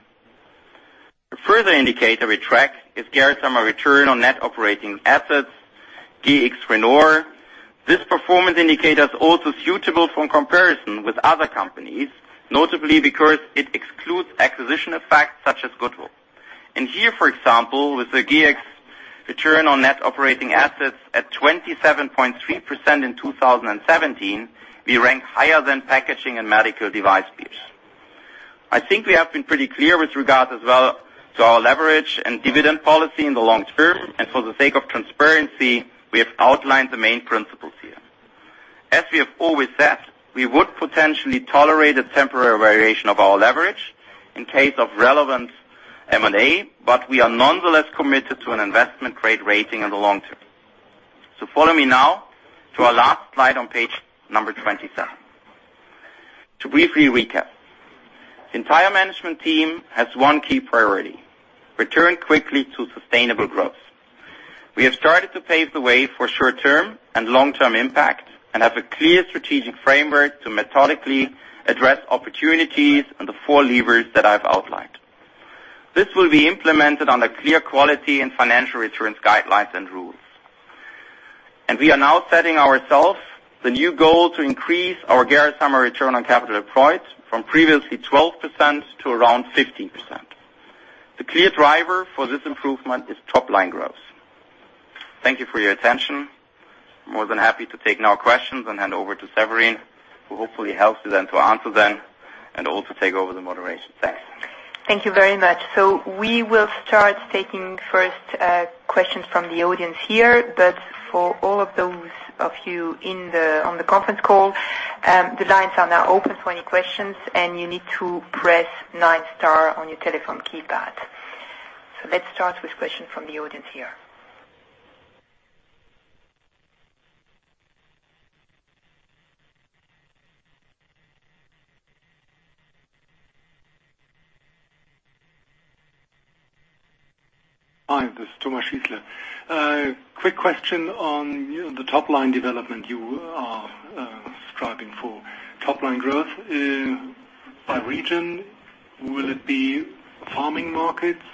A further indicator we track is Gerresheimer return on net operating assets, Gx RONOA. This performance indicator is also suitable for comparison with other companies, notably because it excludes acquisition effects such as goodwill. Here, for example, with the Gx return on net operating assets at 27.3% in 2017, we rank higher than packaging and medical device peers. I think we have been pretty clear with regards as well to our leverage and dividend policy in the long term, and for the sake of transparency, we have outlined the main principles here. As we have always said, we would potentially tolerate a temporary variation of our leverage in case of relevant M&A, but we are nonetheless committed to an investment-grade rating in the long term. Follow me now to our last slide on page number 27. To briefly recap, entire management team has one key priority, return quickly to sustainable growth. We have started to pave the way for short-term and long-term impact and have a clear strategic framework to methodically address opportunities on the four levers that I've outlined. This will be implemented under clear quality and financial returns guidelines and rules. We are now setting ourselves the new goal to increase our Gerresheimer return on capital employed from previously 12% to around 15%. The clear driver for this improvement is top-line growth. Thank you for your attention. More than happy to take now questions and hand over to Severine, who hopefully helps you then to answer them and also take over the moderation. Thanks. Thank you very much. We will start taking first questions from the audience here, but for all of those of you on the conference call, the lines are now open for any questions, and you need to press nine star on your telephone keypad. Let's start with question from the audience here. Hi, this is Thomas Schisler. A quick question on the top-line development. You are striving for top-line growth. By region, will it be farming markets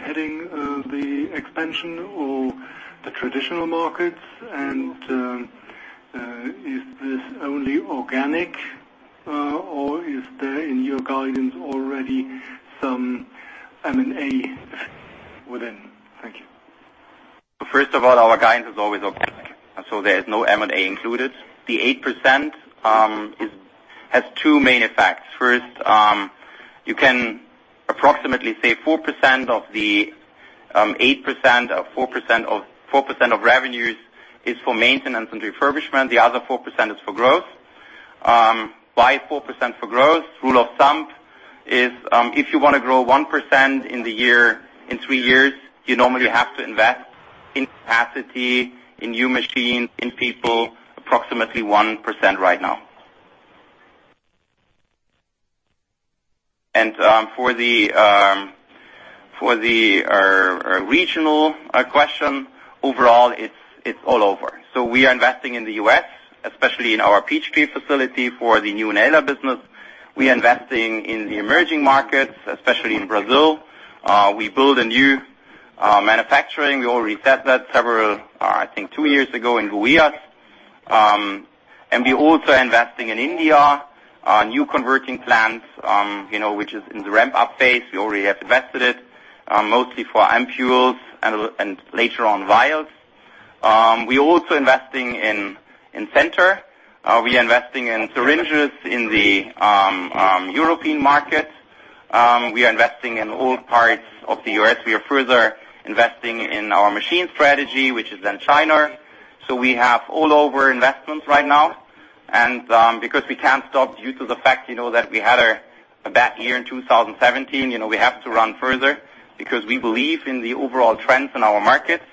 heading the expansion or the traditional markets? Is this only organic or is there in your guidance already some M&A within? Thank you. First of all, our guidance is always organic, there is no M&A included. The 8% has two main effects. First, you can approximately say 4% of revenues is for maintenance and refurbishment. The other 4% is for growth. Why 4% for growth? Rule of thumb is, if you want to grow 1% in three years, you normally have to invest in capacity, in new machines, in people, approximately 1% right now. For the regional question, overall, it's all over. We are investing in the U.S., especially in our Peachtree facility for the new inhaler business. We are investing in the emerging markets, especially in Brazil. We build a new manufacturing. We already said that several, I think two years ago in Goiás. We're also investing in India, new converting plants, which is in the ramp-up phase. We already have invested it, mostly for ampoules and later on, vials. We're also investing in Centor. We are investing in syringes in the European market. We are investing in all parts of the U.S. We are further investing in our machine strategy, which is in China. We have all over investments right now, because we can't stop due to the fact that we had a bad year in 2017, we have to run further because we believe in the overall trends in our markets.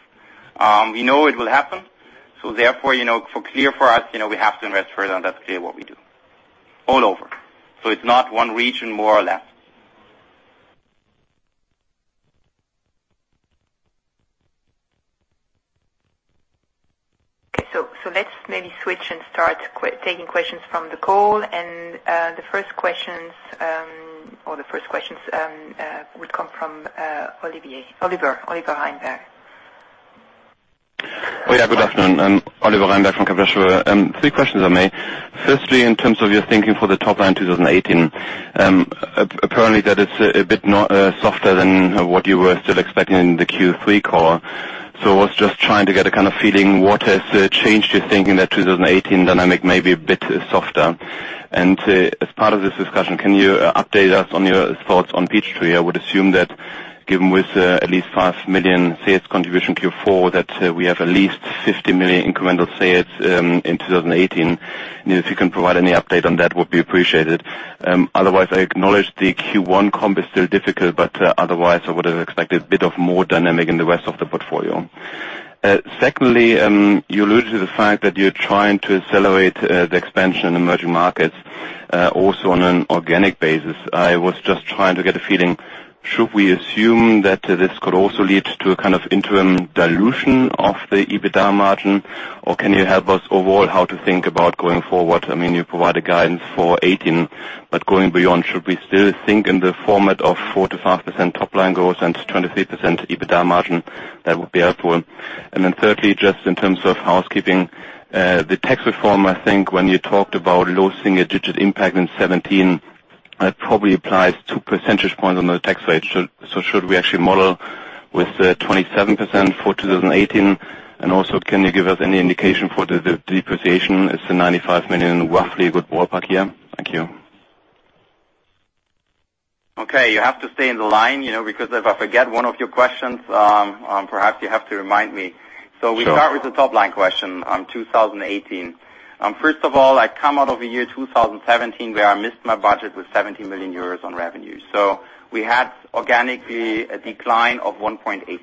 We know it will happen. Therefore, clear for us, we have to invest further, that's clear what we do. All over. It's not one region, more or less. Let's maybe switch and start taking questions from the call, the first questions would come from Oliver. Oliver Reinberg. Oh, yeah. Good afternoon. Oliver Reinberg from Kepler Cheuvreux. Three questions I made. Firstly, in terms of your thinking for the top line 2018, apparently that is a bit softer than what you were still expecting in the Q3 call. I was just trying to get a feeling what has changed your thinking that 2018 dynamic may be a bit softer. As part of this discussion, can you update us on your thoughts on Peachtree? I would assume that given with at least 5 million sales contribution Q4, that we have at least 50 million incremental sales in 2018, if you can provide any update on that, would be appreciated. Otherwise, I acknowledge the Q1 comp is still difficult, otherwise, I would have expected a bit of more dynamic in the rest of the portfolio. You alluded to the fact that you're trying to accelerate the expansion in emerging markets, also on an organic basis. I was just trying to get a feeling, should we assume that this could also lead to a kind of interim dilution of the EBITDA margin, or can you help us overall how to think about going forward? I mean, you provide a guidance for 2018, but going beyond, should we still think in the format of 4%-5% top line growth and 23% EBITDA margin? That would be helpful. Just in terms of housekeeping, the Tax Reform, I think when you talked about low single-digit impact in 2017, that probably applies two percentage points on the tax side. Should we actually model with the 27% for 2018? Also, can you give us any indication for the depreciation? Is the 95 million roughly a good ballpark here? Thank you. You have to stay in the line, because if I forget one of your questions, perhaps you have to remind me. Sure. We start with the top-line question on 2018. I come out of the year 2017, where I missed my budget with 70 million euros on revenue. We had organically a decline of 1.8%.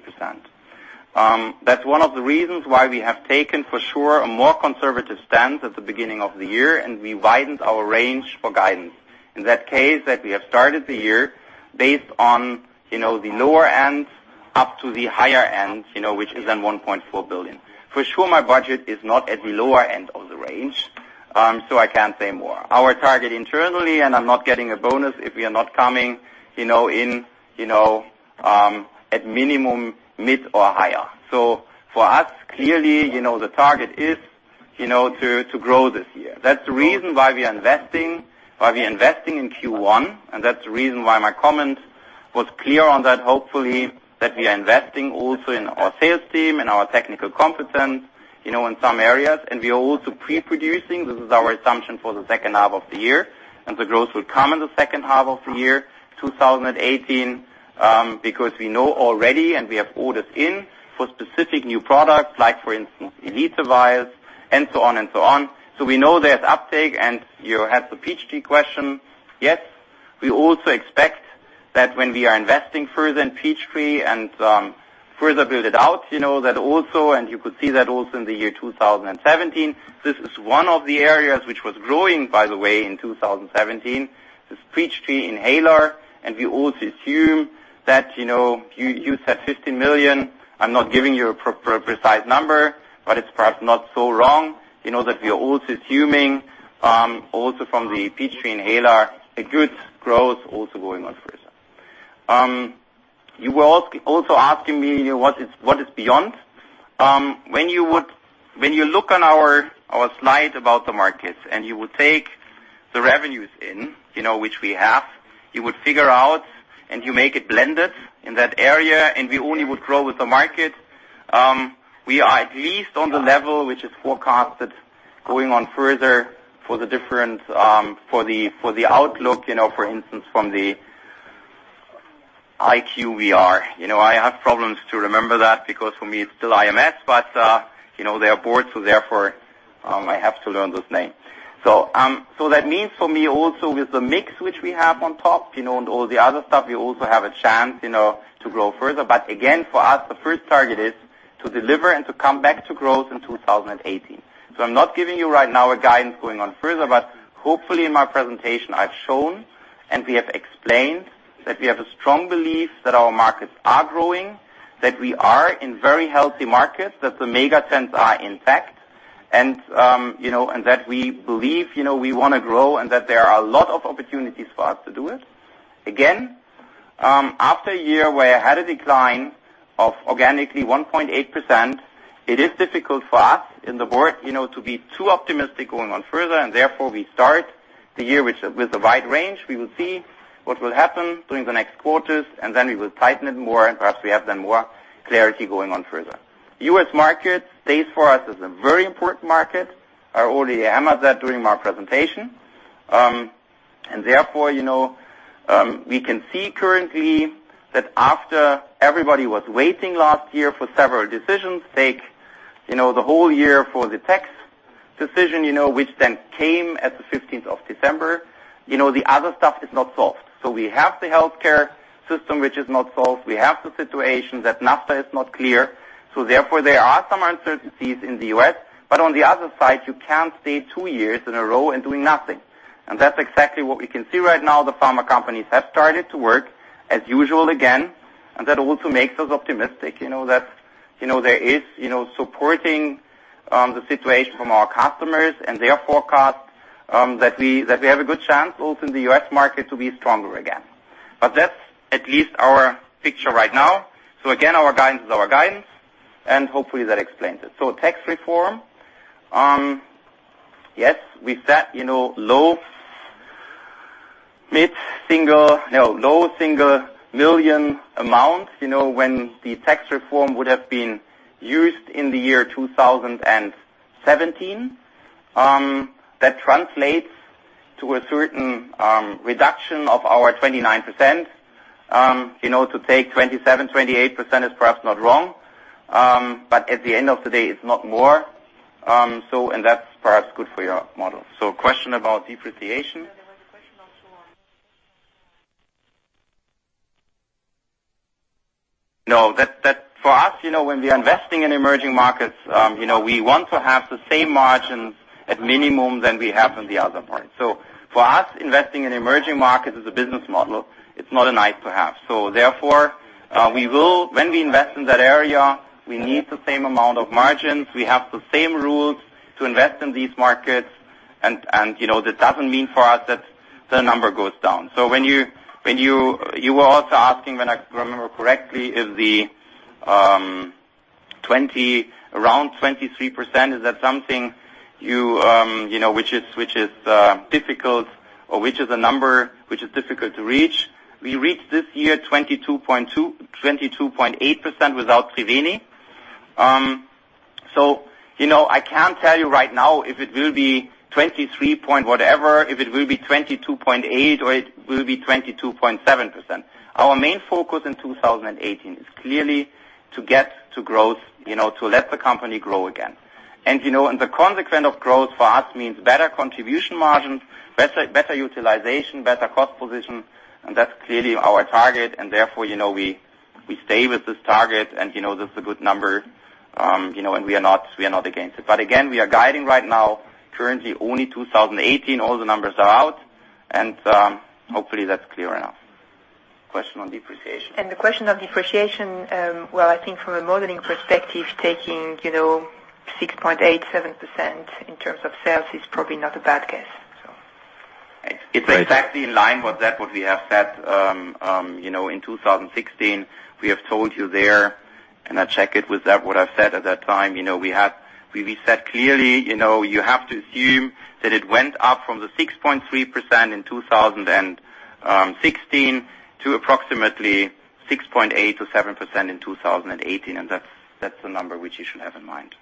That's one of the reasons why we have taken for sure a more conservative stance at the beginning of the year, we widened our range for guidance. In that case, that we have started the year based on the lower end up to the higher end, which is then 1.4 billion. My budget is not at the lower end of the range. I can't say more. Our target internally, I'm not getting a bonus if we are not coming in at minimum mid or higher. For us, clearly, the target is to grow this year. That's the reason why we are investing, why we are investing in Q1, and that's the reason why my comment was clear on that, hopefully, that we are investing also in our sales team, in our technical competence, in some areas, and we are also pre-producing. This is our assumption for the second half of the year, and the growth will come in the second half of the year 2018, because we know already and we have orders in for specific new products like, for instance, Gx Elite vials and so on. We know there's uptake and you have the Peachtree question. We also expect that when we are investing further in Peachtree and further build it out, that also, and you could see that also in the year 2017, this is one of the areas which was growing, by the way, in 2017, this Peachtree inhaler. We also assume that you said 50 million. I'm not giving you a precise number, but it's perhaps not so wrong. You know that we are also assuming, also from the Peachtree inhaler, a good growth also going on further. You were also asking me what is beyond. When you look on our slide about the markets and you would take the revenues in, which we have, you would figure out and you make it blended in that area, and we only would grow with the market. We are at least on the level, which is forecasted going on further for the different-- for the outlook, for instance, from the IQVIA. I have problems to remember that because for me, it's still IMS, but they are boards, so therefore, I have to learn this name. That means for me also with the mix which we have on top, and all the other stuff, we also have a chance to grow further. Again, for us, the first target is to deliver and to come back to growth in 2018. I'm not giving you right now a guidance going on further, but hopefully in my presentation I've shown and we have explained that we have a strong belief that our markets are growing, that we are in very healthy markets, that the mega trends are intact and that we believe we want to grow and that there are a lot of opportunities for us to do it. Again, after a year where I had a decline of organically 1.8%, it is difficult for us in the board to be too optimistic going on further, and therefore we start the year with the wide range. We will see what will happen during the next quarters, and then we will tighten it more and perhaps we have then more clarity going on further. U.S. market stays for us as a very important market. I already hammered that during my presentation. Therefore, we can see currently that after everybody was waiting last year for several decisions, take the whole year for the tax decision, which then came at the 15th of December. The other stuff is not solved. We have the healthcare system which is not solved. We have the situation that NAFTA is not clear. Therefore, there are some uncertainties in the U.S., but on the other side, you can't stay two years in a row and doing nothing. That's exactly what we can see right now. The pharma companies have started to work as usual again, that also makes us optimistic, that there is supporting the situation from our customers and their forecast, that we have a good chance also in the U.S. market to be stronger again. That's at least our picture right now. Again, our guidance is our guidance and hopefully that explains it. Tax reform. Yes, we set low single million EUR amounts, when the tax reform would have been used in 2017. That translates to a certain reduction of our 29%. To take 27%-28% is perhaps not wrong. At the end of the day, it's not more, and that's perhaps good for your model. Question about depreciation. No, there was a question about. No. For us, when we are investing in emerging markets, we want to have the same margins at minimum than we have in the other parts. For us, investing in emerging markets is a business model. It's not a nice to have. Therefore, when we invest in that area, we need the same amount of margins. We have the same rules to invest in these markets, and this doesn't mean for us that the number goes down. You were also asking, when I remember correctly, is the around 23%, is that something which is difficult or which is a number which is difficult to reach? We reached this year 22.8% without Triveni. I can't tell you right now if it will be 23 point whatever, if it will be 22.8% or it will be 22.7%. Our main focus in 2018 is clearly to get to growth, to let the company grow again. The consequence of growth for us means better contribution margins, better utilization, better cost position, and that's clearly our target, and therefore we stay with this target, and this is a good number, and we are not against it. Again, we are guiding right now currently only 2018, all the numbers are out, and hopefully that's clear enough. Question on depreciation. The question on depreciation, well, I think from a modeling perspective, taking 6.87% in terms of sales is probably not a bad guess so. It's exactly in line with that what we have said in 2016. We have told you there, and I check it with that what I've said at that time, we said clearly, you have to assume that it went up from the 6.3% in 2016 to approximately 6.8%-7% in 2018, and that's the number which you should have in mind.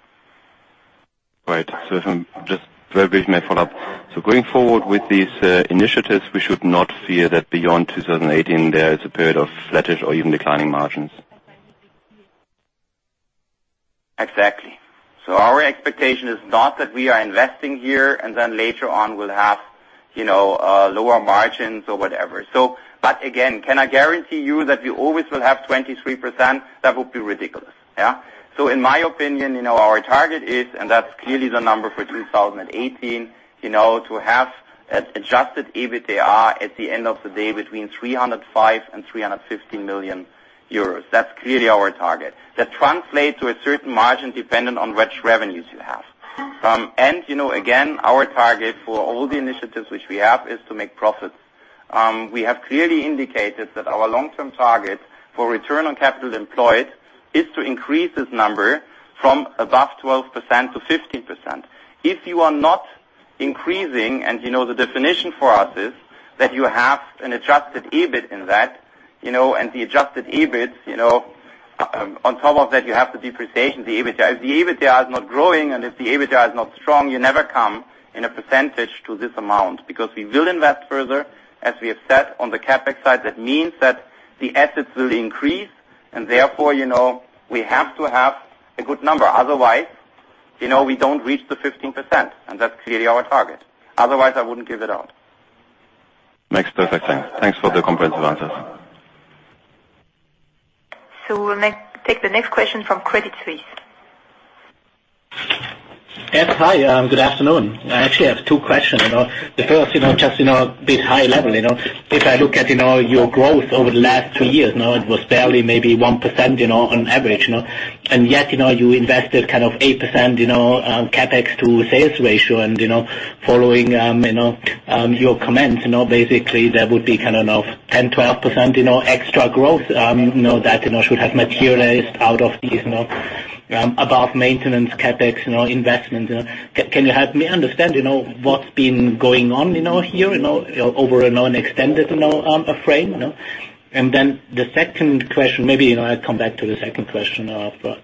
Right. If I'm just very brief my follow-up. Going forward with these initiatives, we should not fear that beyond 2018, there is a period of flattish or even declining margins. Exactly. Our expectation is not that we are investing here and then later on we'll have lower margins or whatever. Again, can I guarantee you that we always will have 23%? That would be ridiculous. Yeah. In my opinion, our target is, and that's clearly the number for 2018, to have adjusted EBITDA at the end of the day between 305 million euros and 315 million euros. That's clearly our target. That translates to a certain margin dependent on which revenues you have from. Again, our target for all the initiatives which we have is to make profits. We have clearly indicated that our long-term target for return on capital employed is to increase this number from above 12%-15%. If you are not increasing, you know the definition for us is that you have an adjusted EBIT in that. The adjusted EBIT, on top of that, you have the depreciation, the EBITDA. If the EBITDA is not growing, if the EBITDA is not strong, you never come in a percentage to this amount. Because we will invest further, as we have said, on the CapEx side, that means that the assets will increase. Therefore, we have to have a good number. Otherwise, we don't reach the 15%, and that's clearly our target. Otherwise, I wouldn't give it out. Makes perfect sense. Thanks for the comprehensive answers. We'll take the next question from Credit Suisse. Yes. Hi, good afternoon. I actually have two questions. The first, just, a bit high level. If I look at your growth over the last two years, it was barely maybe 1%, on average. Yet, you invested 8%, on CapEx to sales ratio. Following your comments, basically that would be 10%, 12% extra growth that should have materialized out of these above maintenance CapEx investments. Can you help me understand what's been going on here over a non-extended frame? Then the second question, maybe I'll come back to the second question after.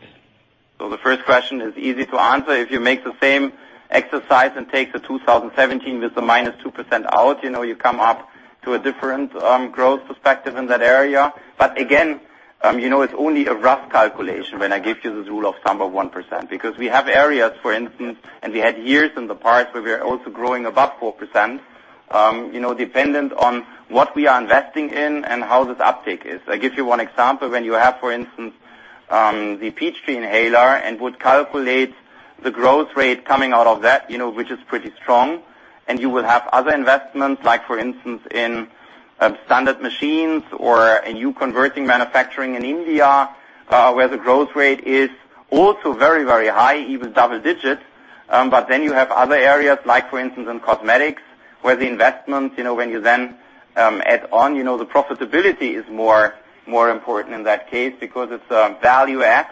The first question is easy to answer. If you make the same exercise and take the 2017 with the minus 2% out, you come up to a different growth perspective in that area. Again, it is only a rough calculation when I give you this rule of thumb of 1%. We have areas, for instance, and we had years in the past where we are also growing above 4%, dependent on what we are investing in and how this uptake is. I give you one example. When you have, for instance, the Peachtree inhaler and would calculate the growth rate coming out of that, which is pretty strong, and you will have other investments like for instance, in standard machines or a new converting manufacturing in India, where the growth rate is also very, very high, even double digits. You have other areas like, for instance, in cosmetics, where the investment, when you then add on, the profitability is more important in that case because it is a value add.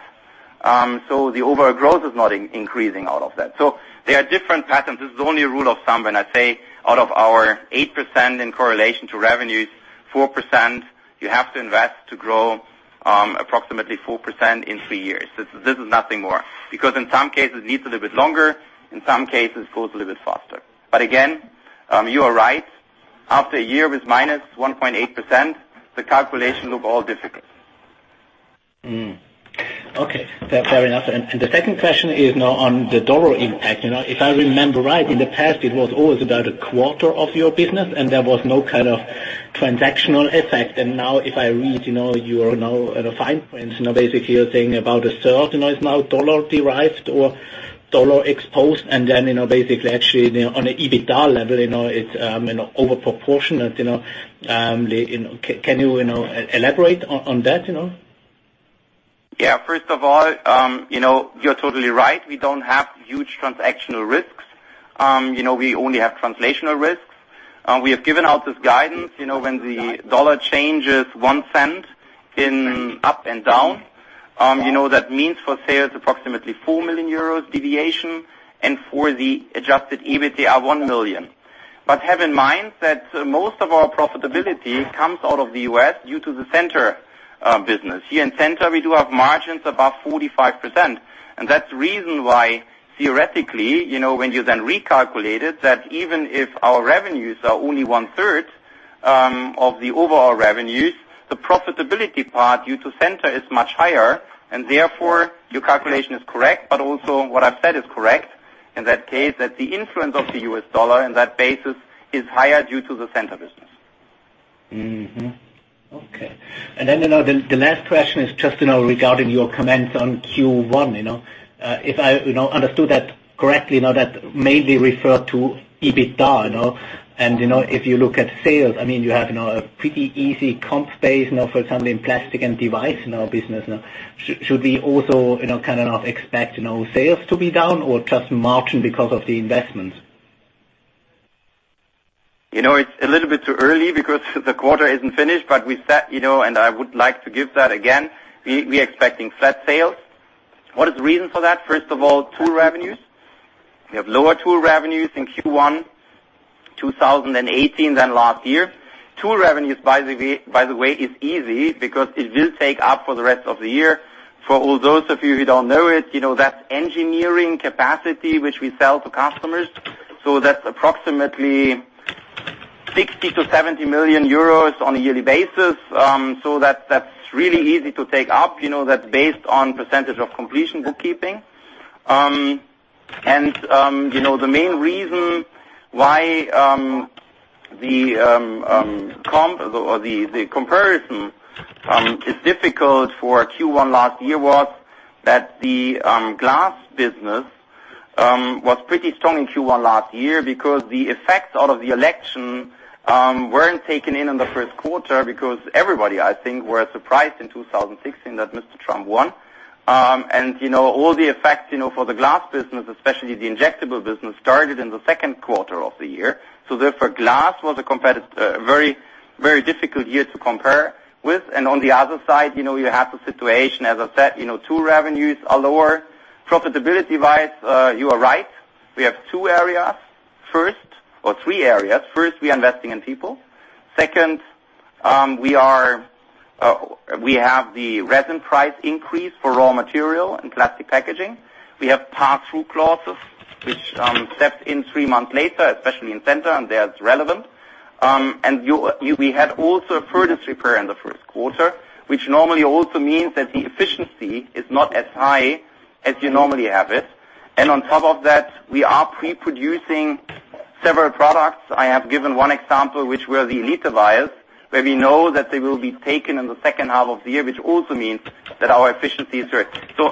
The overall growth is not increasing out of that. They are different patterns. This is only a rule of thumb when I say out of our 8% in correlation to revenues, 4%, you have to invest to grow approximately 4% in 3 years. This is nothing more. In some cases, it needs a little bit longer, in some cases, grows a little bit faster. Again, you are right. After a year with minus 1.8%, the calculation look all difficult. Okay. Fair enough. The second question is now on the USD impact. If I remember right, in the past, it was always about a quarter of your business and there was no transactional effect. Now if I read your fine print, basically you are saying about a third is now USD derived or USD exposed and then, basically actually on a EBITDA level, it is over-proportionate. Can you elaborate on that? First of all, you are totally right. We do not have huge transactional risks. We only have translational risks. We have given out this guidance. When the dollar changes $0.01 in up and down, that means for sales approximately 4 million euros deviation, and for the adjusted EBIT, 1 million. Have in mind that most of our profitability comes out of the U.S. due to the Centor business. Here in Centor, we do have margins above 45%. That is the reason why theoretically, when you then recalculate it, that even if our revenues are only one-third of the overall revenues, the profitability part due to Centor is much higher, and therefore your calculation is correct, but also what I have said is correct, in that case, that the influence of the U.S. dollar in that basis is higher due to the Centor business. Okay. The last question is just regarding your comments on Q1. If I understood that correctly, that mainly referred to adjusted EBITDA. If you look at sales, you have a pretty easy comp space now, for example, in Plastics & Devices business now. Should we also expect sales to be down or just margin because of the investments? It's a little bit too early because the quarter isn't finished. We set, and I would like to give that again. We are expecting flat sales. What is the reason for that? First of all, tool revenues. We have lower tool revenues in Q1 2018 than last year. Tool revenues, by the way, is easy because it will take up for the rest of the year. For all those of you who don't know it, that's engineering capacity, which we sell to customers. That's approximately 60 million-70 million euros on a yearly basis. That's really easy to take up. That's based on percentage of completion. The main reason why the comparison is difficult for Q1 last year was that the Primary Packaging Glass business was pretty strong in Q1 last year because the effects out of the election weren't taken in on the first quarter because everybody, I think, was surprised in 2016 that Mr. Trump won. All the effects for the Primary Packaging Glass business, especially the injectable business, started in the second quarter of the year. Therefore, Primary Packaging Glass was a very difficult year to compare with. On the other side, you have the situation, as I said, tool revenues are lower. Profitability-wise, you are right. We have two areas, or three areas. First, we are investing in people. Second, we have the resin price increase for raw material and plastic packaging. We have pass-through clauses, which stepped in three months later, especially in Centor, and there it's relevant. We had also a furnace repair in the first quarter, which normally also means that the efficiency is not as high as you normally have it. On top of that, we are pre-producing several products. I have given one example, which were the Gx Elite vials, where we know that they will be taken in the second half of the year, which also means that our efficiency is hurt. So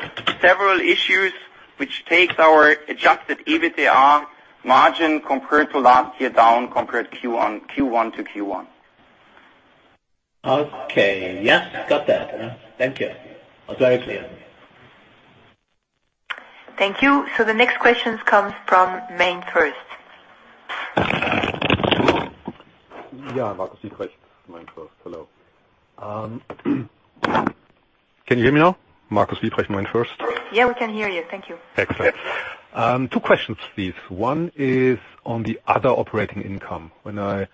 several issues, which takes our adjusted EBITDA margin compared to last year down compared Q1 to Q1. Okay. Yes, got that. Thank you. Was very clear. Thank you. The next questions comes from MainFirst. Yeah, Markus Siebrecht, MainFirst. Hello. Can you hear me now? Markus Siebrecht, MainFirst. Yeah, we can hear you. Thank you. Excellent. Two questions, please. One is on the other operating income. When I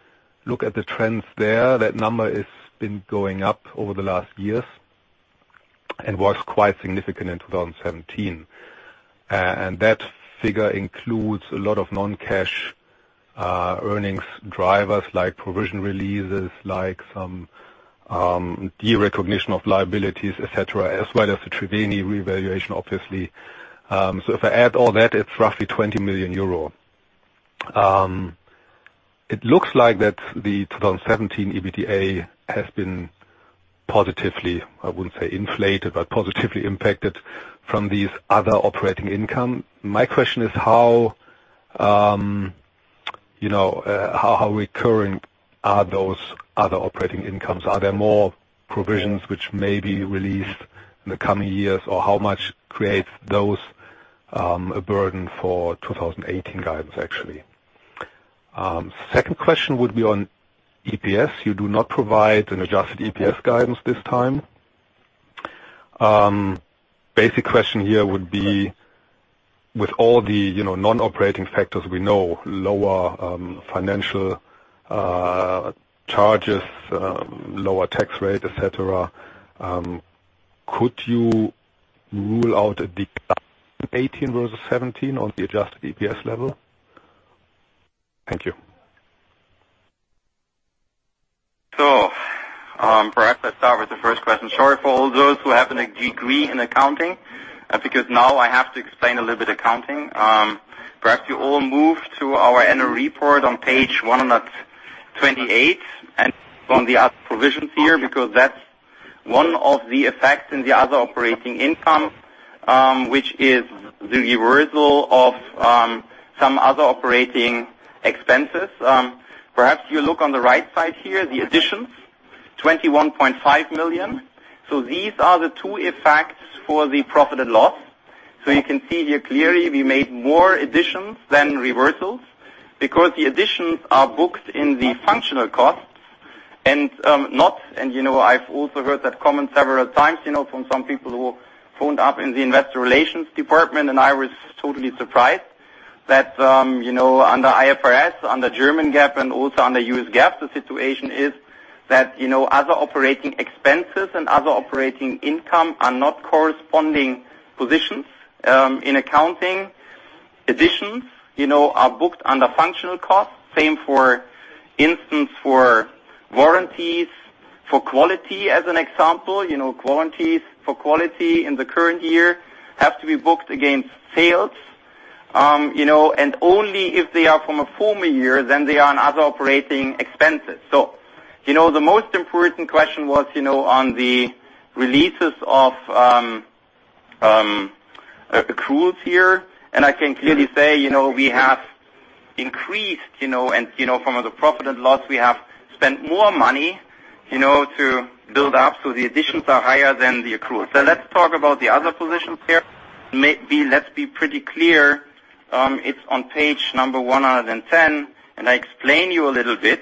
look at the trends there, that number has been going up over the last years and was quite significant in 2017. That figure includes a lot of non-cash earnings drivers like provision releases, like some de-recognition of liabilities, et cetera, as well as the Triveni revaluation, obviously. If I add all that, it's roughly 20 million euro. It looks like that the 2017 EBITDA has been positively, I wouldn't say inflated, but positively impacted from these other operating income. My question is how recurring are those other operating incomes? Are there more provisions which may be released in the coming years? How much create those a burden for 2018 guidance, actually? Second question would be on EPS. You do not provide an adjusted EPS guidance this time. Basic question here would be with all the non-operating factors we know, lower financial charges, lower tax rate, et cetera, could you rule out a decline 2018 versus 2017 on the adjusted EPS level? Thank you. Perhaps let's start with the first question. Sorry for all those who have a degree in accounting, because now I have to explain a little bit accounting. Perhaps you all move to our annual report on page 128 and on the other provisions here, because that's one of the effects in the other operating income, which is the reversal of some other operating expenses. Perhaps you look on the right side here, the additions, 21.5 million. These are the two effects for the profit and loss. You can see here clearly we made more additions than reversals because the additions are booked in the functional costs and not, I've also heard that comment several times, from some people who phoned up in the investor relations department, and I was totally surprised that, under IFRS, under German GAAP, and also under US GAAP, the situation is that other operating expenses and other operating income are not corresponding positions in accounting. Additions are booked under functional costs. Same, for instance, for warranties, for quality as an example. Warranties for quality in the current year have to be booked against sales. Only if they are from a former year, then they are on other operating expenses. The most important question was on the releases of accruals here, and I can clearly say, we have increased, and from the profit and loss, we have spent more money to build up. The additions are higher than the accruals. Let's talk about the other positions here. Maybe let's be pretty clear, it's on page 110, and I explain you a little bit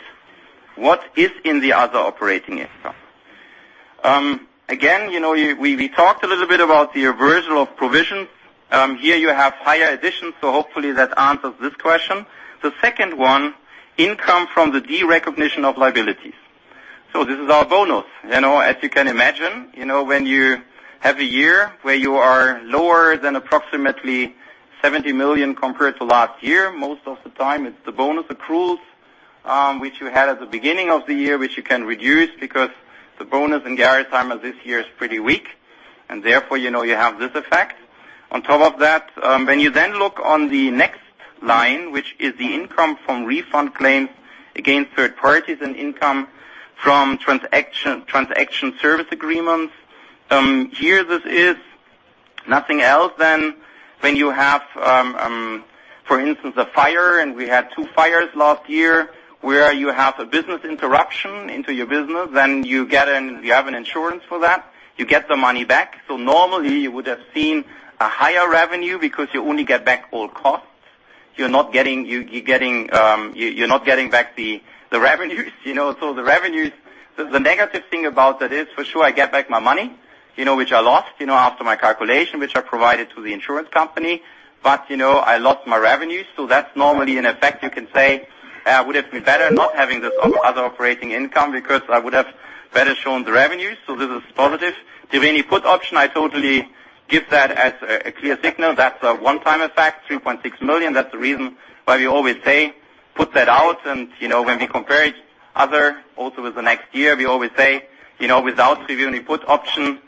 what is in the other operating income. Again, we talked a little bit about the reversal of provisions. Here you have higher additions, hopefully that answers this question. The second one, income from the derecognition of liabilities. This is our bonus. As you can imagine, when you have a year where you are lower than approximately 70 million compared to last year, most of the time it's the bonus accruals, which you had at the beginning of the year, which you can reduce because the bonus in Gerresheimer this year is pretty weak, and therefore, you have this effect. On top of that, when you then look on the next line, which is the income from refund claims against third parties and income from transaction service agreements. Here, this is nothing else than when you have, for instance, a fire, and we had two fires last year, where you have a business interruption into your business, then you have an insurance for that. You get the money back. Normally you would have seen a higher revenue because you only get back all costs. You're not getting back the revenues. The negative thing about that is, for sure, I get back my money, which I lost, after my calculation, which I provided to the insurance company, but I lost my revenues. That's normally an effect you can say, "Would have been better not having this other operating income because I would have better shown the revenues." This is positive. Triveni put option, I totally give that as a clear signal. That's a one-time effect, 3.6 million. That's the reason why we always say, put that out, and when we compare it other, also with the next year, we always say, without Triveni put option,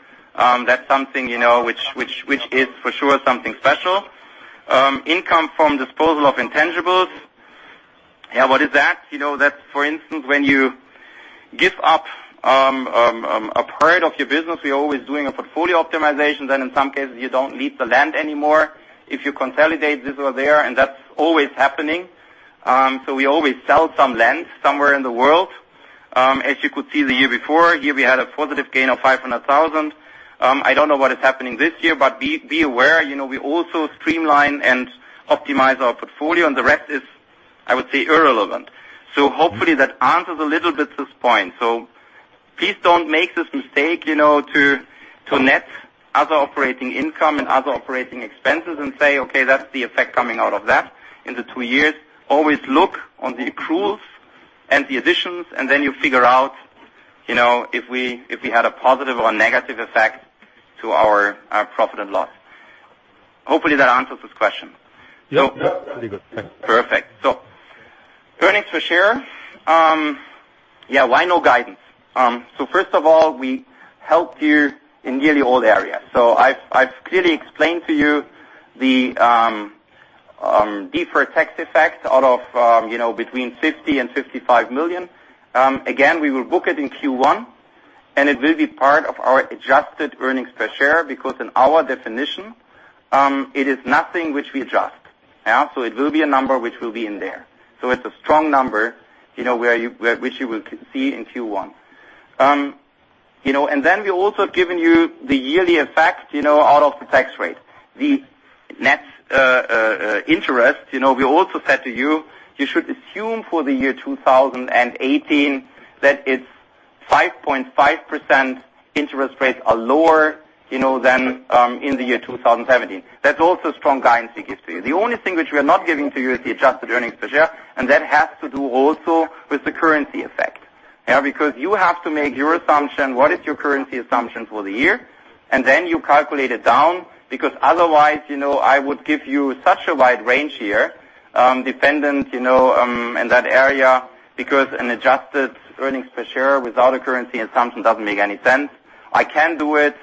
that's something which is for sure something special. Income from disposal of intangibles. Yeah, what is that? That, for instance, when you give up a part of your business, we're always doing a portfolio optimization. In some cases, you don't need the land anymore. If you consolidate this over there, and that's always happening. We always sell some land somewhere in the world. As you could see the year before, here we had a positive gain of 500,000. I don't know what is happening this year, but be aware, we also streamline and optimize our portfolio, and the rest is, I would say, irrelevant. Hopefully that answers a little bit this point. Please don't make this mistake, to net other operating income and other operating expenses and say, "Okay, that's the effect coming out of that in the two years." Always look on the accruals and the additions, and then you figure out if we had a positive or negative effect to our profit and loss. Hopefully that answers this question. Yep. Pretty good. Thanks. Perfect. Earnings per share. Yeah, why no guidance? First of all, we helped you in nearly all areas. I've clearly explained to you the deferred tax effect out of between 50 million and 55 million. Again, we will book it in Q1, and it will be part of our adjusted earnings per share because in our definition, it is nothing which we adjust. It will be a number which will be in there. It's a strong number, which you will see in Q1. We've also given you the yearly effect out of the tax rate. The net interest, we also said to you should assume for the year 2018 that it's 5.5% interest rates are lower than in the year 2017. That's also strong guidance we give to you. The only thing which we are not giving to you is the adjusted earnings per share, that has to do also with the currency effect. You have to make your assumption, what is your currency assumption for the year, you calculate it down, otherwise, I would give you such a wide range here, dependent, in that area, an adjusted earnings per share without a currency assumption doesn't make any sense. I can do it,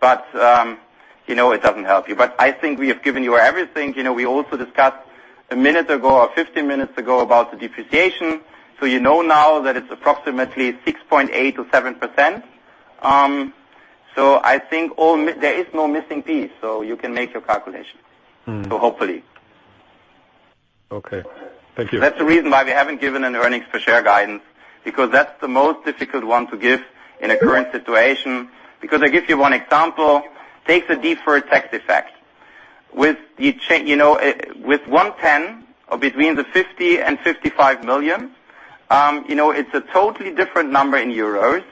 but it doesn't help you. I think we have given you everything. We also discussed a minute ago or 15 minutes ago about the depreciation. You know now that it's approximately 6.8% to 7%. I think there is no missing piece, so you can make your calculation. Hopefully. Okay. Thank you. That's the reason why we haven't given an earnings per share guidance, because that's the most difficult one to give in a current situation. Because I give you one example. Take the deferred tax effect. With 110 or between 50 million and 55 million, it's a totally different number in euros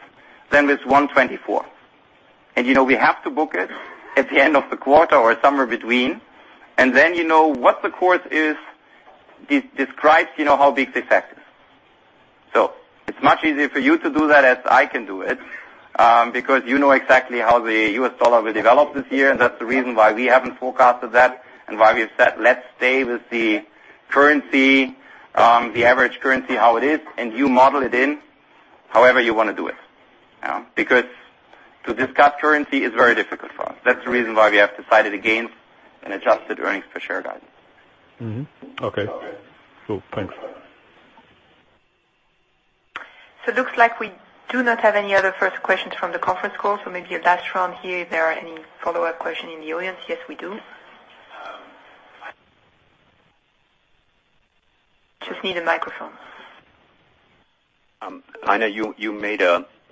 than with 124. We have to book it at the end of the quarter or somewhere between, and then you know what the course is, describes how big the effect is. It's much easier for you to do that as I can do it, because you know exactly how the U.S. dollar will develop this year, and that's the reason why we haven't forecasted that, and why we've said, "Let's stay with the average currency how it is, You model it in however you want to do it." To discuss currency is very difficult for us. That's the reason why we have decided against an adjusted earnings per share guidance. Okay. Cool, thanks. Looks like we do not have any other further questions from the conference call. Maybe a last round here, if there are any follow-up question in the audience. Yes, we do. Just need a microphone. Rainer, you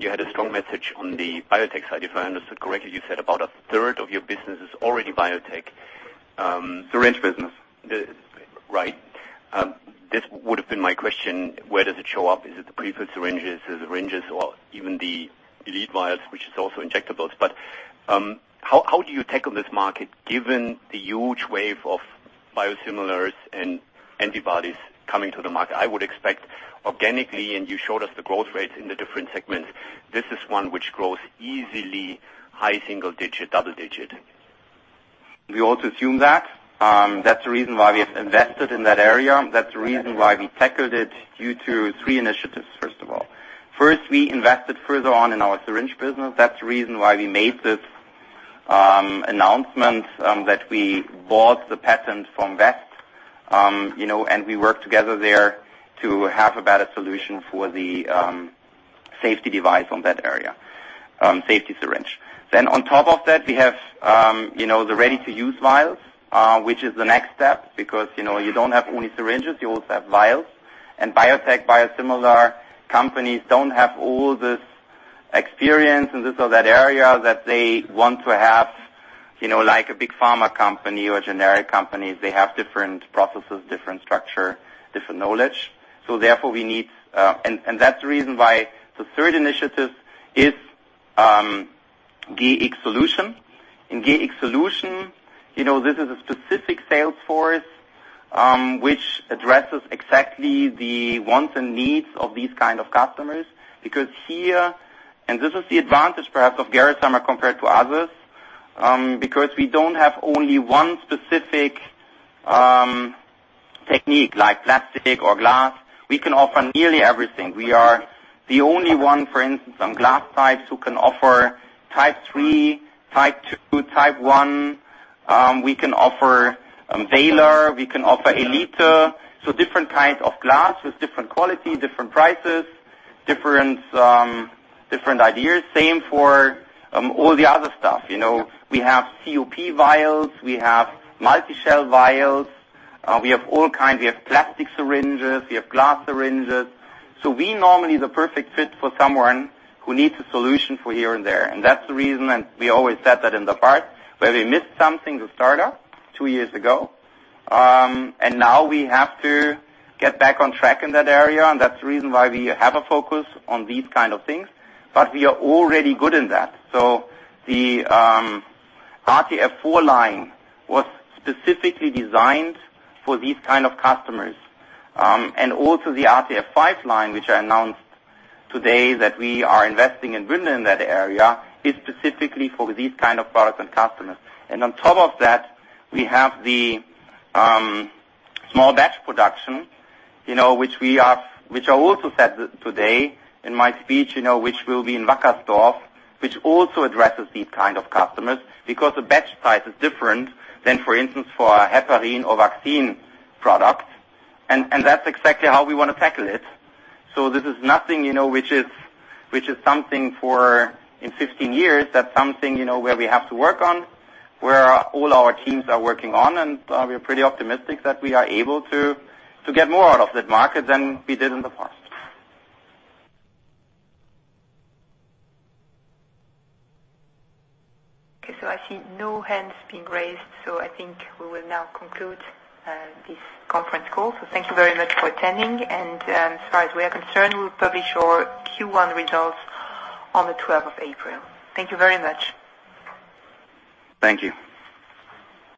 had a strong message on the biotech side. If I understood correctly, you said about a third of your business is already biotech. Syringe business. Right. This would have been my question, where does it show up? Is it the pre-filled syringes, the syringes, or even the Gx Elite vials, which is also injectables. How do you tackle this market given the huge wave of biosimilars and antibodies coming to the market? I would expect organically, and you showed us the growth rates in the different segments. This is one which grows easily high single digit, double digit. We also assume that. That's the reason why we have invested in that area. That's the reason why we tackled it due to three initiatives, first of all. First, we invested further on in our syringe business. That's the reason why we made this announcement, that we bought the patent from West. We work together there to have a better solution for the safety device on that area, safety syringe. On top of that, we have the RTU vials, which is the next step because, you don't have only syringes, you also have vials. Biopharma, biosimilar companies don't have all this experience in this or that area that they want to have, like a big pharma company or generic companies. They have different processes, different structure, different knowledge. Therefore, we need. That's the reason why the third initiative is Gx Solutions. In Gx Solutions, this is a specific sales force, which addresses exactly the wants and needs of these kind of customers. Here, and this is the advantage perhaps of Gerresheimer compared to others, because we don't have only one specific technique like plastic or glass. We can offer nearly everything. We are the only one, for instance, on glass types, who can offer Type III, Type II, Type I. We can offer bailer, we can offer Gx Elite. Different kinds of glass with different quality, different prices, different ideas. Same for all the other stuff. We have COP vials, we have Gx MultiShell vials. We have all kinds. We have plastic syringes, we have glass syringes. We normally the perfect fit for someone who needs a solution for here and there. That's the reason, and we always said that in the past, where we missed something to start up two years ago. Now we have to get back on track in that area, and that's the reason why we have a focus on these kind of things, but we are already good in that. The RTF4 line was specifically designed for these kind of customers. Also the RTF5 line, which I announced today that we are investing in Bünde in that area, is specifically for these kind of products and customers. On top of that, we have the small batch production, which I also said today in my speech, which will be in Wackersdorf, which also addresses these kind of customers because the batch size is different than, for instance, for a heparin or vaccine product. That's exactly how we want to tackle it. This is nothing which is something for in 15 years. That's something where we have to work on, where all our teams are working on, and we are pretty optimistic that we are able to get more out of that market than we did in the past. Okay, I see no hands being raised, so I think we will now conclude this conference call. Thank you very much for attending, and as far as we are concerned, we will publish our Q1 results on the 12th of April. Thank you very much. Thank you.